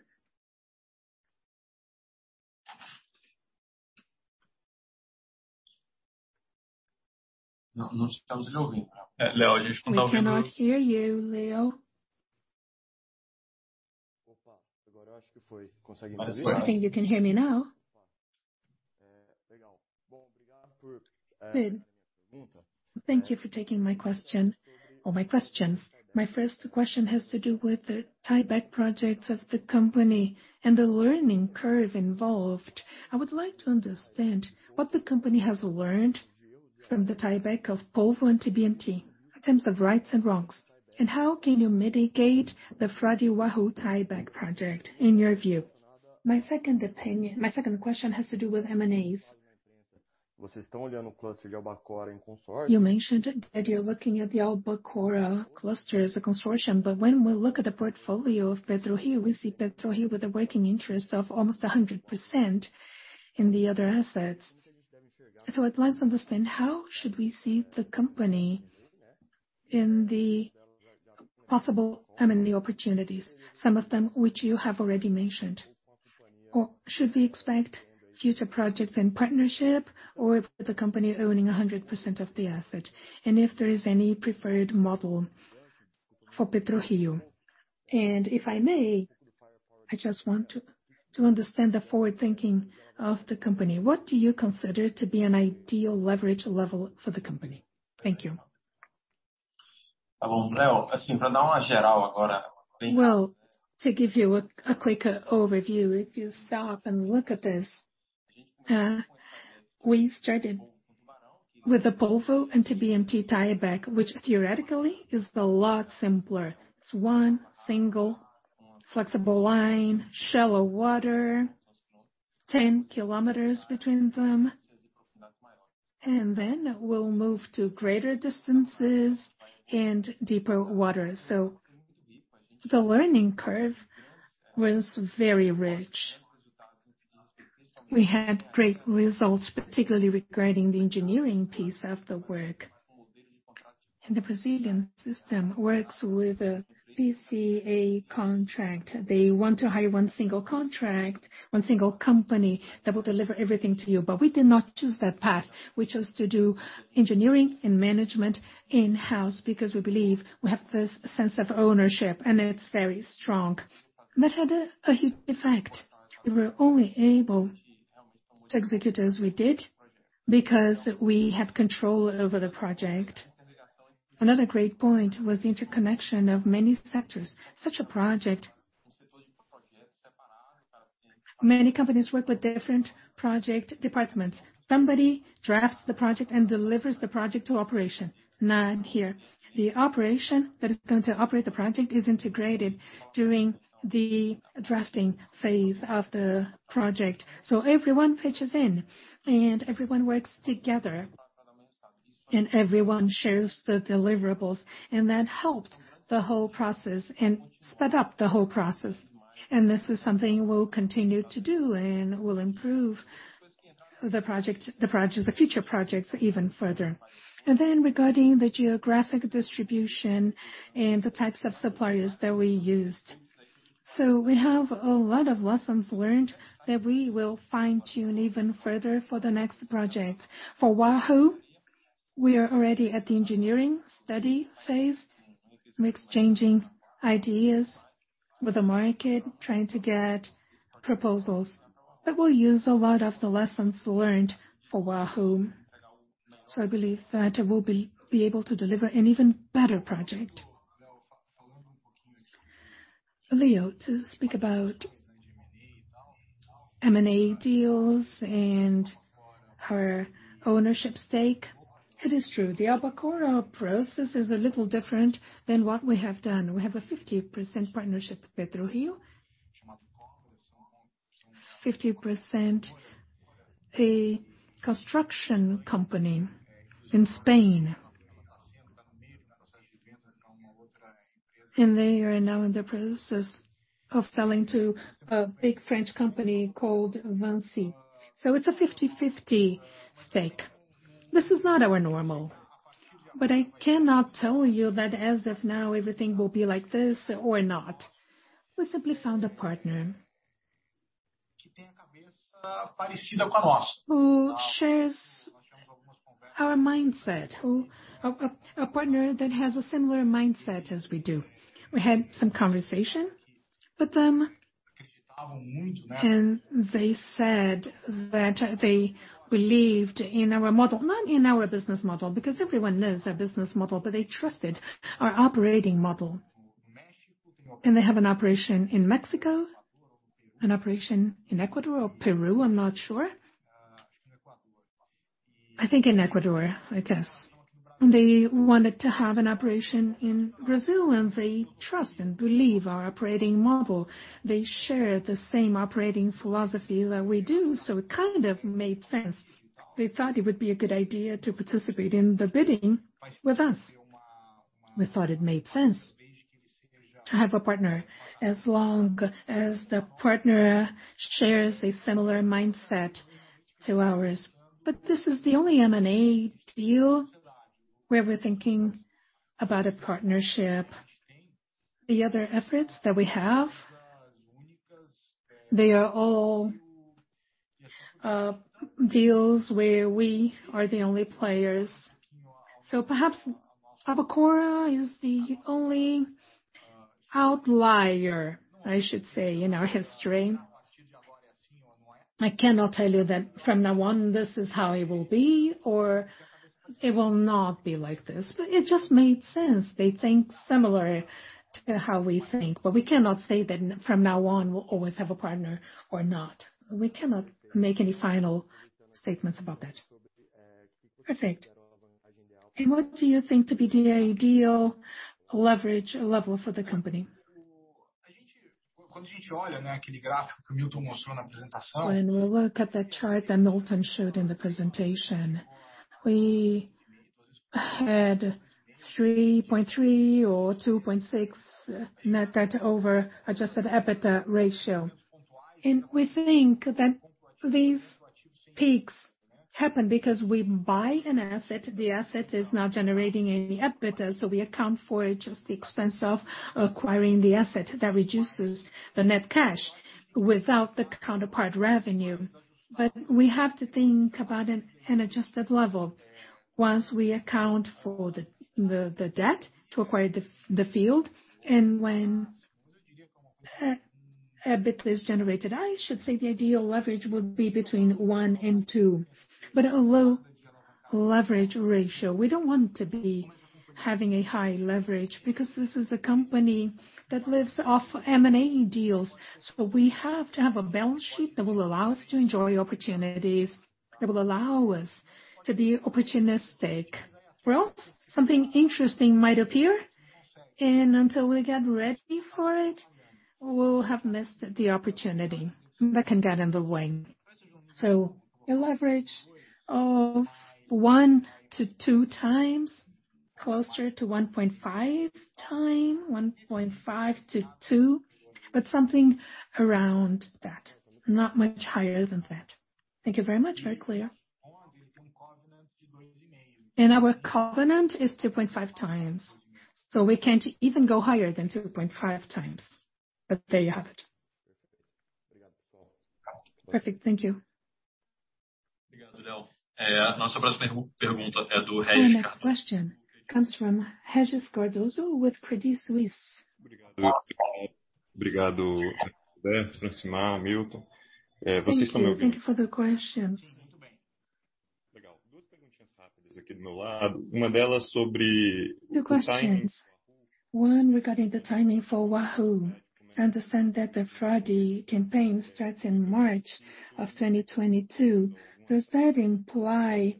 We cannot hear you, Leo. I think you can hear me now, good. Thank you for taking my question or my questions. My first question has to do with the tieback projects of the company and the learning curve involved. I would like to understand what the company has learned from the tieback of Polvo and TBMT in terms of rights and wrongs, and how can you mitigate the Frade Wahoo tieback project, in your view? My second question has to do with M&As. You mentioned that you're looking at the Albacora cluster as a consortium. When we look at the portfolio of PetroRio, we see PetroRio with a working interest of almost 100% in the other assets. I'd like to understand how should we see the company in the opportunities, some of them, which you have already mentioned. Should we expect future projects in partnership, or with the company owning 100% of the asset? If there is any preferred model for PetroRio? If I may, I just want to understand the forward-thinking of the company. What do you consider to be an ideal leverage level for the company? Thank you. Well, to give you a quick overview, if you stop and look at this, we started with the Polvo and TBMT tieback, which theoretically is a lot simpler. It's one single flexible line, shallow water, 10 km between them. We'll move to greater distances and deeper water. The learning curve was very rich. We had great results, particularly regarding the engineering piece of the work. The Brazilian system works with a EPC contract. They want to hire one single contract, one single company that will deliver everything to you, we did not choose that path. We chose to do engineering and management in-house because we believe we have this sense of ownership, and it's very strong, that had a huge effect. We were only able to execute as we did because we have control over the project. Another great point was the interconnection of many sectors. Such a project, many companies work with different project departments. Somebody drafts the project and delivers the project to operation, not here. The operation that is going to operate the project is integrated during the drafting phase of the project. Everyone pitches in, and everyone works together, and everyone shares the deliverables. That helped the whole process and sped up the whole process. This is something we'll continue to do and will improve the future projects even further. Regarding the geographic distribution and the types of suppliers that we used. We have a lot of lessons learned that we will fine-tune even further for the next project. For Wahoo, we are already at the engineering study phase. Exchanging ideas with the market, trying to get proposals. We'll use a lot of the lessons learned for Wahoo. I believe that we'll be able to deliver an even better project. Leo, to speak about M&A deals and our ownership stake. It is true, the Albacora process is a little different than what we have done. We have a 50% partnership with PetroRio, 50% a construction company in Spain. They are now in the process of selling to a big French company called Vinci. It's a 50/50 stake. This is not our normal, I cannot tell you that as of now, everything will be like this or not. We simply found a partner who shares our mindset. A partner that has a similar mindset as we do. We had some conversation with them; they said that they believed in our model. Not in our business model, because everyone knows our business model, but they trusted our operating model. They have an operation in Mexico, an operation in Ecuador or Peru, I'm not sure. I think in Ecuador, I guess. They wanted to have an operation in Brazil, and they trust and believe our operating model. They share the same operating philosophy that we do, it kind of made sense. They thought it would be a good idea to participate in the bidding with us. We thought it made sense to have a partner as long as the partner shares a similar mindset to ours. This is the only M&A deal where we're thinking about a partnership. The other efforts that we have, they are all deals where we are the only players. Perhaps Albacora is the only outlier, I should say, in our history. I cannot tell you that from now on, this is how it will be or it will not be like this. It just made sense. They think similarly to how we think. We cannot say that from now on, we'll always have a partner or not. We cannot make any final statements about that. Perfect, what do you think to be the ideal leverage level for the company? When we look at that chart that Milton showed in the presentation, we had 3.3 or 2.6 net debt over adjusted EBITDA ratio. We think that these peaks happen because we buy an asset, the asset is now generating an EBITDA, so we account for just the expense of acquiring the asset that reduces the net cash without the counterpart revenue. We have to think about an adjusted level once we account for the debt to acquire the field and when EBITDA is generated. I should say the ideal leverage would be between one and two, but a low leverage ratio. We don't want to be having a high leverage because this is a company that lives off M&A deals. We have to have a balance sheet that will allow us to enjoy opportunities, that will allow us to be opportunistic. Something interesting might appear, and until we get ready for it, we'll have missed the opportunity that can get in the way. A leverage of 1x-2x, closer to 1.5x, 1.5x-2x, but something around that, not much higher than that. Thank you very much, very clear. Our covenant is 2.5x, we can't even go higher than 2.5x, there you have it. Perfect, thank you. Our next question comes from Regis Cardoso with Credit Suisse. Thank you, thank you for the questions. Two questions, one regarding the timing for Wahoo. I understand that the Frade campaign starts in March 2022. Does that imply,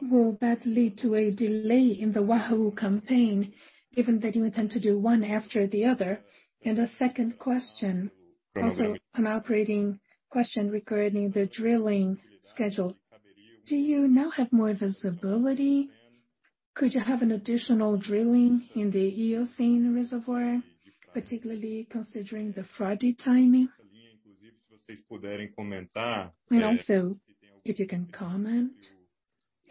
will that lead to a delay in the Wahoo campaign, given that you intend to do one after the other? A second question, also an operating question regarding the drilling schedule. Do you now have more visibility? Could you have an additional drilling in the Eocene reservoir, particularly considering the Frade timing? Also, if you can comment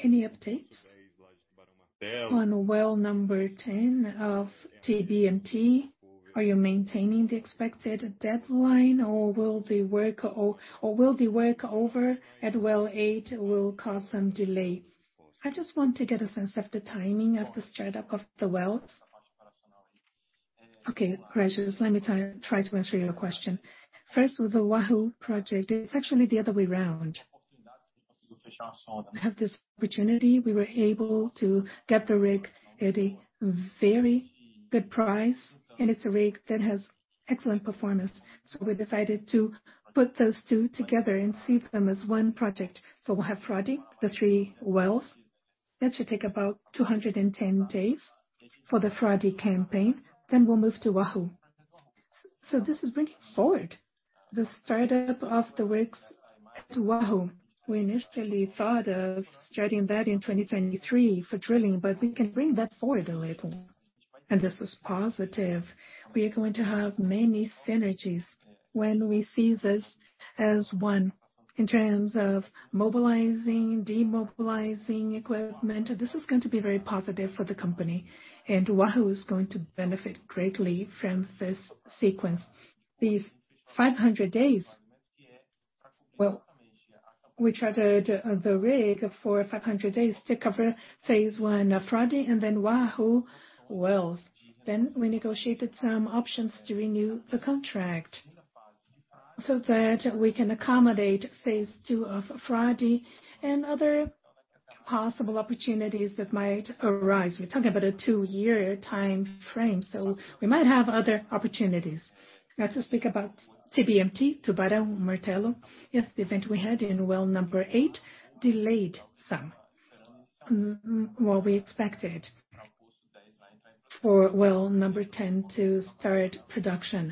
any updates on well number 10 of TBMT. Are you maintaining the expected deadline or will the workover at well eight will cause some delay? I just want to get a sense of the timing of the start-up of the wells. Okay, Regis, let me try to answer your question. First, with the Wahoo project, it's actually the other way around. We have this opportunity. We were able to get the rig at a very good price, and it's a rig that has excellent performance. We decided to put those two together and see them as one project. We'll have Frade, the three wells. That should take about 210 days for the Frade campaign, we'll move to Wahoo. This is bringing forward the start-up of the works to Wahoo. We initially thought of starting that in 2023 for drilling, but we can bring that forward a little. This is positive. We are going to have many synergies when we see this as one in terms of mobilizing, demobilizing equipment. This is going to be very positive for the company. Wahoo is going to benefit greatly from this sequence, these 500 days. Well, we chartered the rig for 500 days to cover phase I of Frade and Wahoo wells. We negotiated some options to renew the contract so that we can accommodate phase II of Frade and other possible opportunities that might arise. We're talking about a two-year time frame, we might have other opportunities. To speak about TBMT, Tubarão Martelo. The event we had in well number eight delayed somewhat what we expected for well number 10 to start production.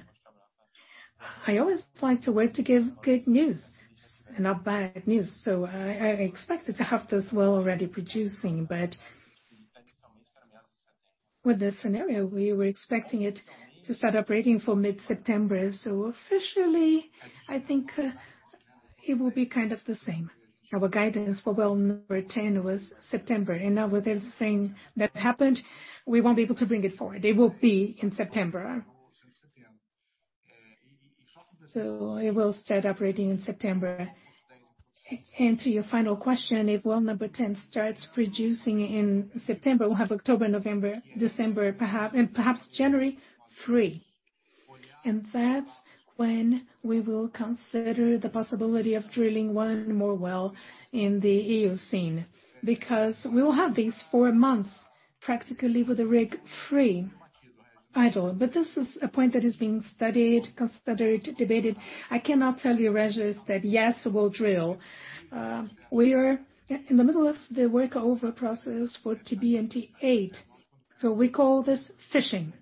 I always like to wait to give good news and not bad news. I expected to have this well already producing, with the scenario, we were expecting it to start operating for mid-September. Officially, I think it will be kind of the same. Our guidance for well number 10 was September. Now with everything that happened, we won't be able to bring it forward. It will be in September. It will start operating in September. To your final question, if well number 10 starts producing in September, we'll have October, November, December, and perhaps January free. That's when we will consider the possibility of drilling one more well in the Eocene because we will have these four months practically with the rig free, idle. This is a point that is being studied, considered, debated. I cannot tell you, Regis, that yes, we'll drill. We are in the middle of the work over process for TBMT-8. We call this fishing.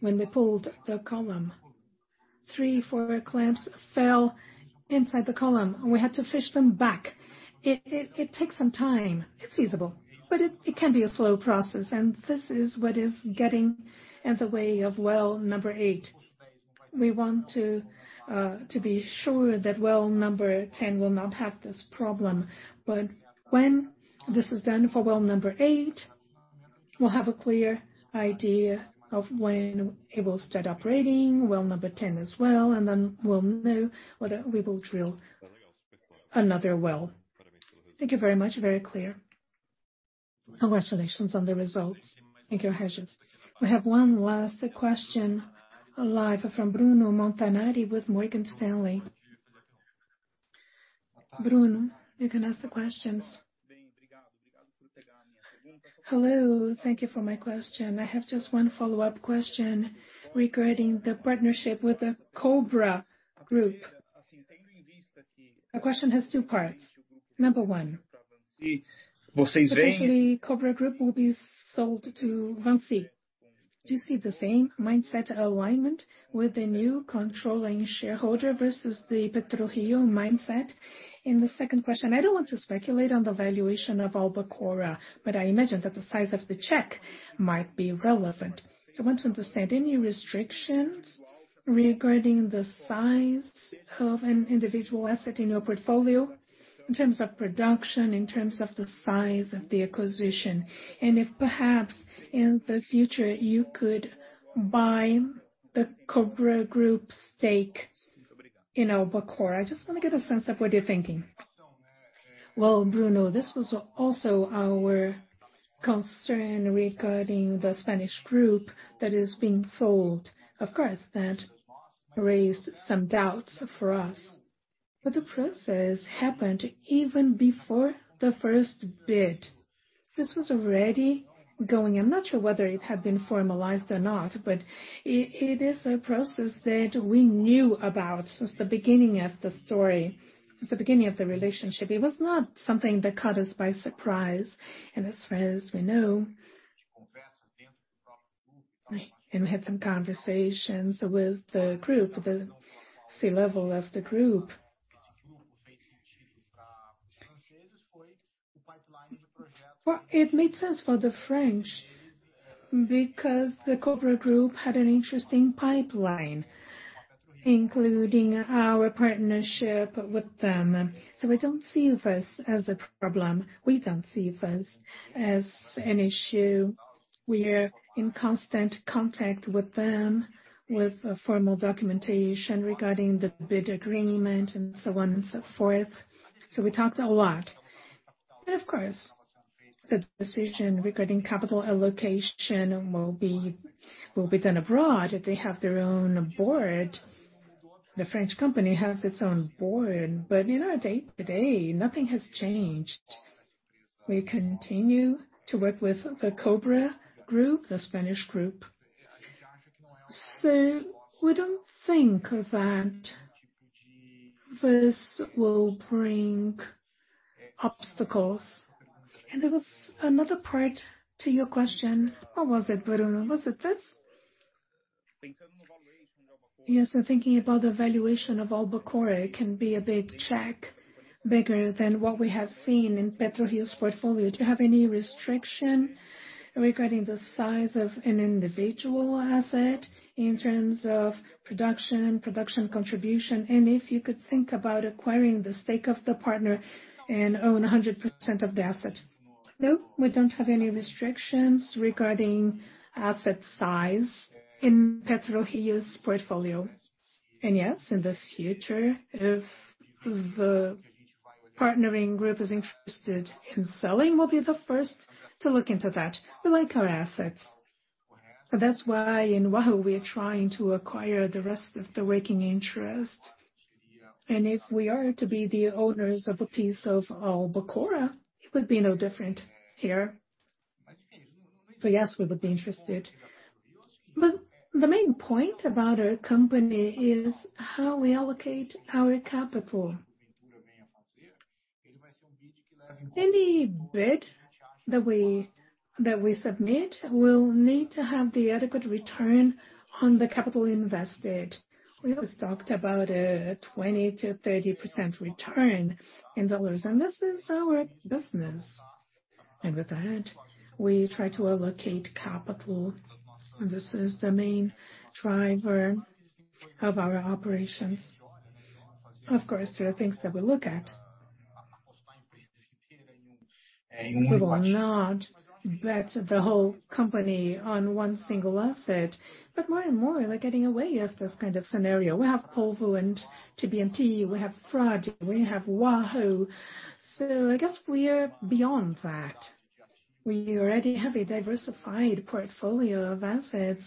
When we pulled the column, three, four clamps fell inside the column, and we had to fish them back, it takes some time. It's feasible, but it can be a slow process, and this is what is getting in the way of well number eight. We want to be sure that well number 10 will not have this problem, but when this is done for well number eight, we'll have a clear idea of when it will start operating, well number 10 as well, and then we'll know whether we will drill another well. Thank you very much, very clear. Congratulations on the results. Thank you. We have one last question live from Bruno Montanari with Morgan Stanley. Bruno, you can ask the questions. Hello, thank you for my question. I have just one follow-up question regarding the partnership with the Cobra Group. The question has two parts. Number one, potentially Cobra Group will be sold to Vinci. Do you see the same mindset alignment with the new controlling shareholder versus the PetroRio mindset? The second question, I don't want to speculate on the valuation of Albacora, but I imagine that the size of the check might be relevant. I want to understand, any restrictions regarding the size of an individual asset in your portfolio in terms of production, in terms of the size of the acquisition, and if perhaps in the future you could buy the Cobra Group stake in Albacora. I just want to get a sense of what you're thinking. Well, Bruno, this was also our concern regarding the Spanish group that is being sold. Of course, that raised some doubts for us. The process happened even before the first bid, this was already going. I'm not sure whether it had been formalized or not, but it is a process that we knew about since the beginning of the story. Since the beginning of the relationship. It was not something that caught us by surprise. As far as we know, and we had some conversations with the group, the C-level of the group. It made sense for the French because the Cobra Group had an interesting pipeline, including our partnership with them. We don't see this as a problem. We don't see this as an issue. We are in constant contact with them, with formal documentation regarding the bid agreement and so on and so forth. We talked a lot. Of course, the decision regarding capital allocation will be done abroad. They have their own board. The French company has its own board. In our day-to-day, nothing has changed. We continue to work with the Cobra Group, the Spanish group. We don't think that this will bring obstacles. There was another part to your question. What was it, Bruno? Was it this? Yes, I'm thinking about the valuation of Albacora. It can be a big check, bigger than what we have seen in PetroRio's portfolio. Do you have any restriction regarding the size of an individual asset in terms of production contribution, and if you could think about acquiring the stake of the partner and own 100% of the asset? No, we don't have any restrictions regarding asset size in PetroRio's portfolio. Yes, in the future, if the partnering group is interested in selling, we'll be the first to look into that, we like our assets. That's why in Wahoo, we are trying to acquire the rest of the working interest. If we are to be the owners of a piece of Albacora, it would be no different here. Yes, we would be interested. The main point about our company is how we allocate our capital. Any bid that we submit will need to have the adequate return on the capital invested. We always talked about a 20%-30% return in dollars, and this is our business. With that, we try to allocate capital. This is the main driver of our operations. Of course, there are things that we look at. We will not bet the whole company on one single asset, but more and more, we're getting away of this kind of scenario. We have Polvo and TBMT, we have Frade, we have Wahoo, I guess we are beyond that. We already have a diversified portfolio of assets,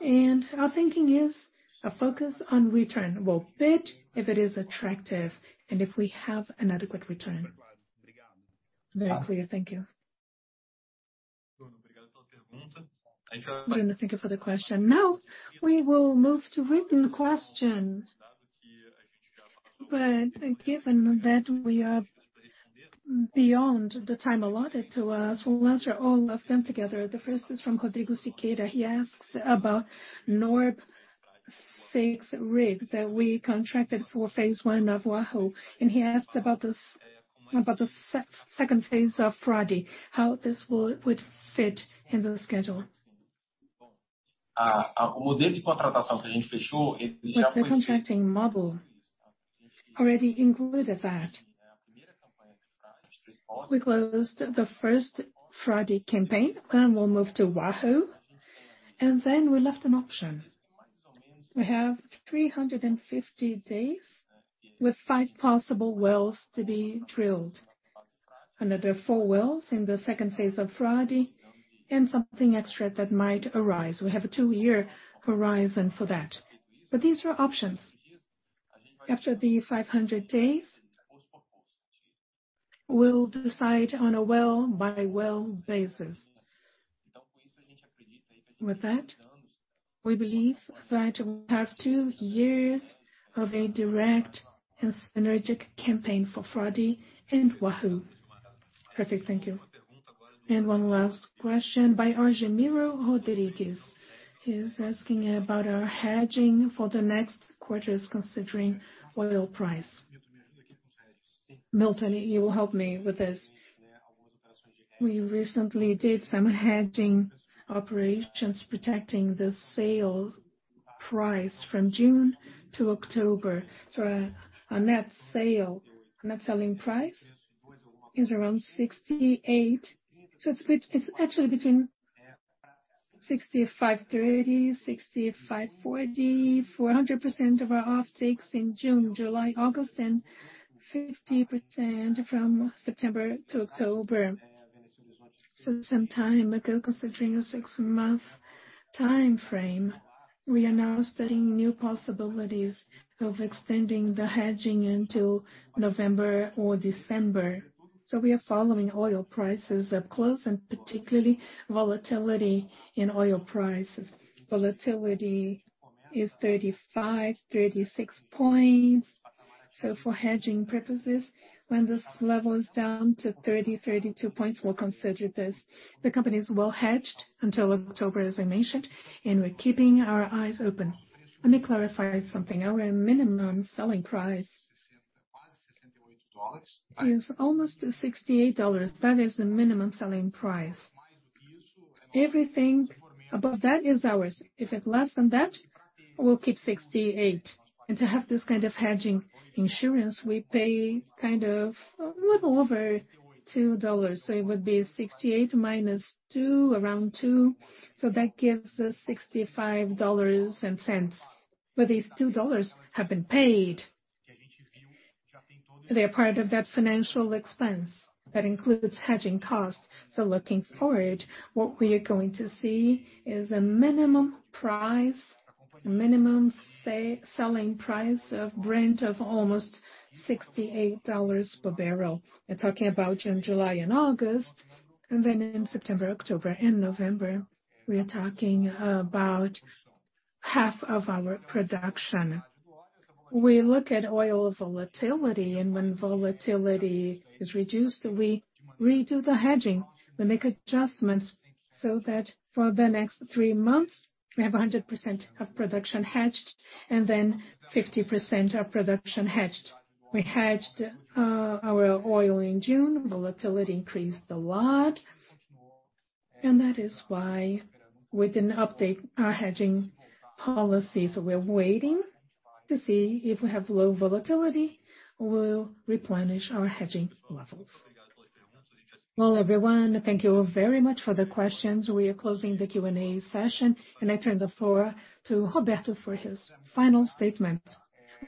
and our thinking is a focus on return. We'll bid if it is attractive and if we have an adequate return. Very clear, thank you. Bruno, thank you for the question. We will move to written questions. Given that we are beyond the time allotted to us, we'll answer all of them together. The first is from Rodrigo Siqueira. He asks about NORBE VI rig that we contracted for phase I of Wahoo, and he asks about the second phase of Frade, how this would fit in the schedule. The contracting model already included that. We closed the first Frade campaign, and we'll move to Wahoo. We left an option. We have 350 days with five possible wells to be drilled, another four wells in the second phase of Frade, and something extra that might arise. We have a two-year horizon for that. These are options. After the 500 days, we will decide on a well-by-well basis. With that, we believe that we have two years of a direct and synergic campaign for Frade and Wahoo. Perfect, thank you. One last question by Argeniro Rodriguez. He is asking about our hedging for the next quarters, considering oil price. Milton, you will help me with this. We recently did some hedging operations protecting the sale price from June to October. Our net selling price is around $68. It is actually between $65.30, $65.40, for 100% of our offtakes in June, July, August, and 50% from September to October. Some time ago, considering a six-month timeframe, we are now studying new possibilities of extending the hedging until November or December. We are following oil prices up close, and particularly volatility in oil prices. Volatility is 35 points, 36 points. For hedging purposes, when this level is down to 30 points, 32 points, we'll consider this. The company is well hedged until October, as I mentioned, and we're keeping our eyes open. Let me clarify something. Our minimum selling price is almost $68. That is the minimum selling price. Everything above that is ours, if it's less than that, we'll keep $68. To have this kind of hedging insurance, we pay kind of a little over $2. It would be $68 minus $2, around $2. That gives us $65 and cents. These $2 have been paid. They're part of that financial expense that includes hedging costs. Looking forward, what we are going to see is a minimum selling price of Brent of almost $68/bbl. We're talking about June, July, and August. In September, October, and November, we are talking about half of our production. We look at oil volatility. When volatility is reduced, we redo the hedging. We make adjustments that for the next three months, we have 100% of production hedged, then 50% of production hedged. We hedged our oil in June. Volatility increased a lot. That is why we didn't update our hedging policies. We're waiting to see if we have low volatility. We'll replenish our hedging levels. Well, everyone, thank you very much for the questions. We are closing the Q&A session. I turn the floor to Roberto for his final statement.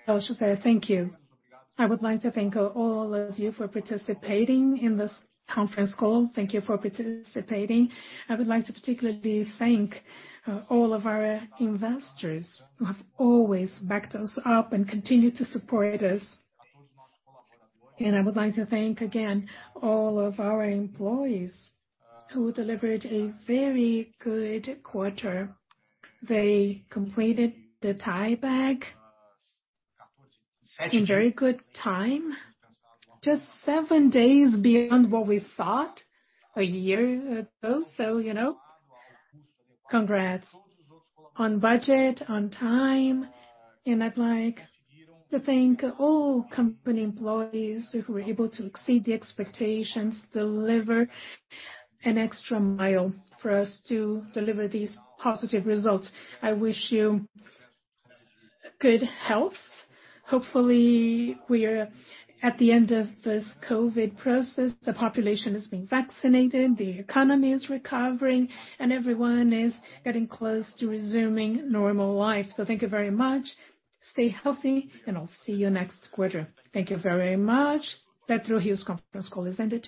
I should say thank you, I would like to thank all of you for participating in this conference call. Thank you for participating. I would like to particularly thank all of our investors who have always backed us up and continue to support us. I would like to thank again all of our employees who delivered a very good quarter. They completed the tieback in very good time, just seven days beyond what we thought a year ago, congrats. On budget, on time. I'd like to thank all company employees who were able to exceed the expectations, deliver an extra mile for us to deliver these positive results. I wish you good health. Hopefully, we're at the end of this COVID process. The population is being vaccinated, the economy is recovering, and everyone is getting close to resuming normal life. Thank you very much, stay healthy, and I'll see you next quarter. Thank you very much, PetroRio's conference call has ended.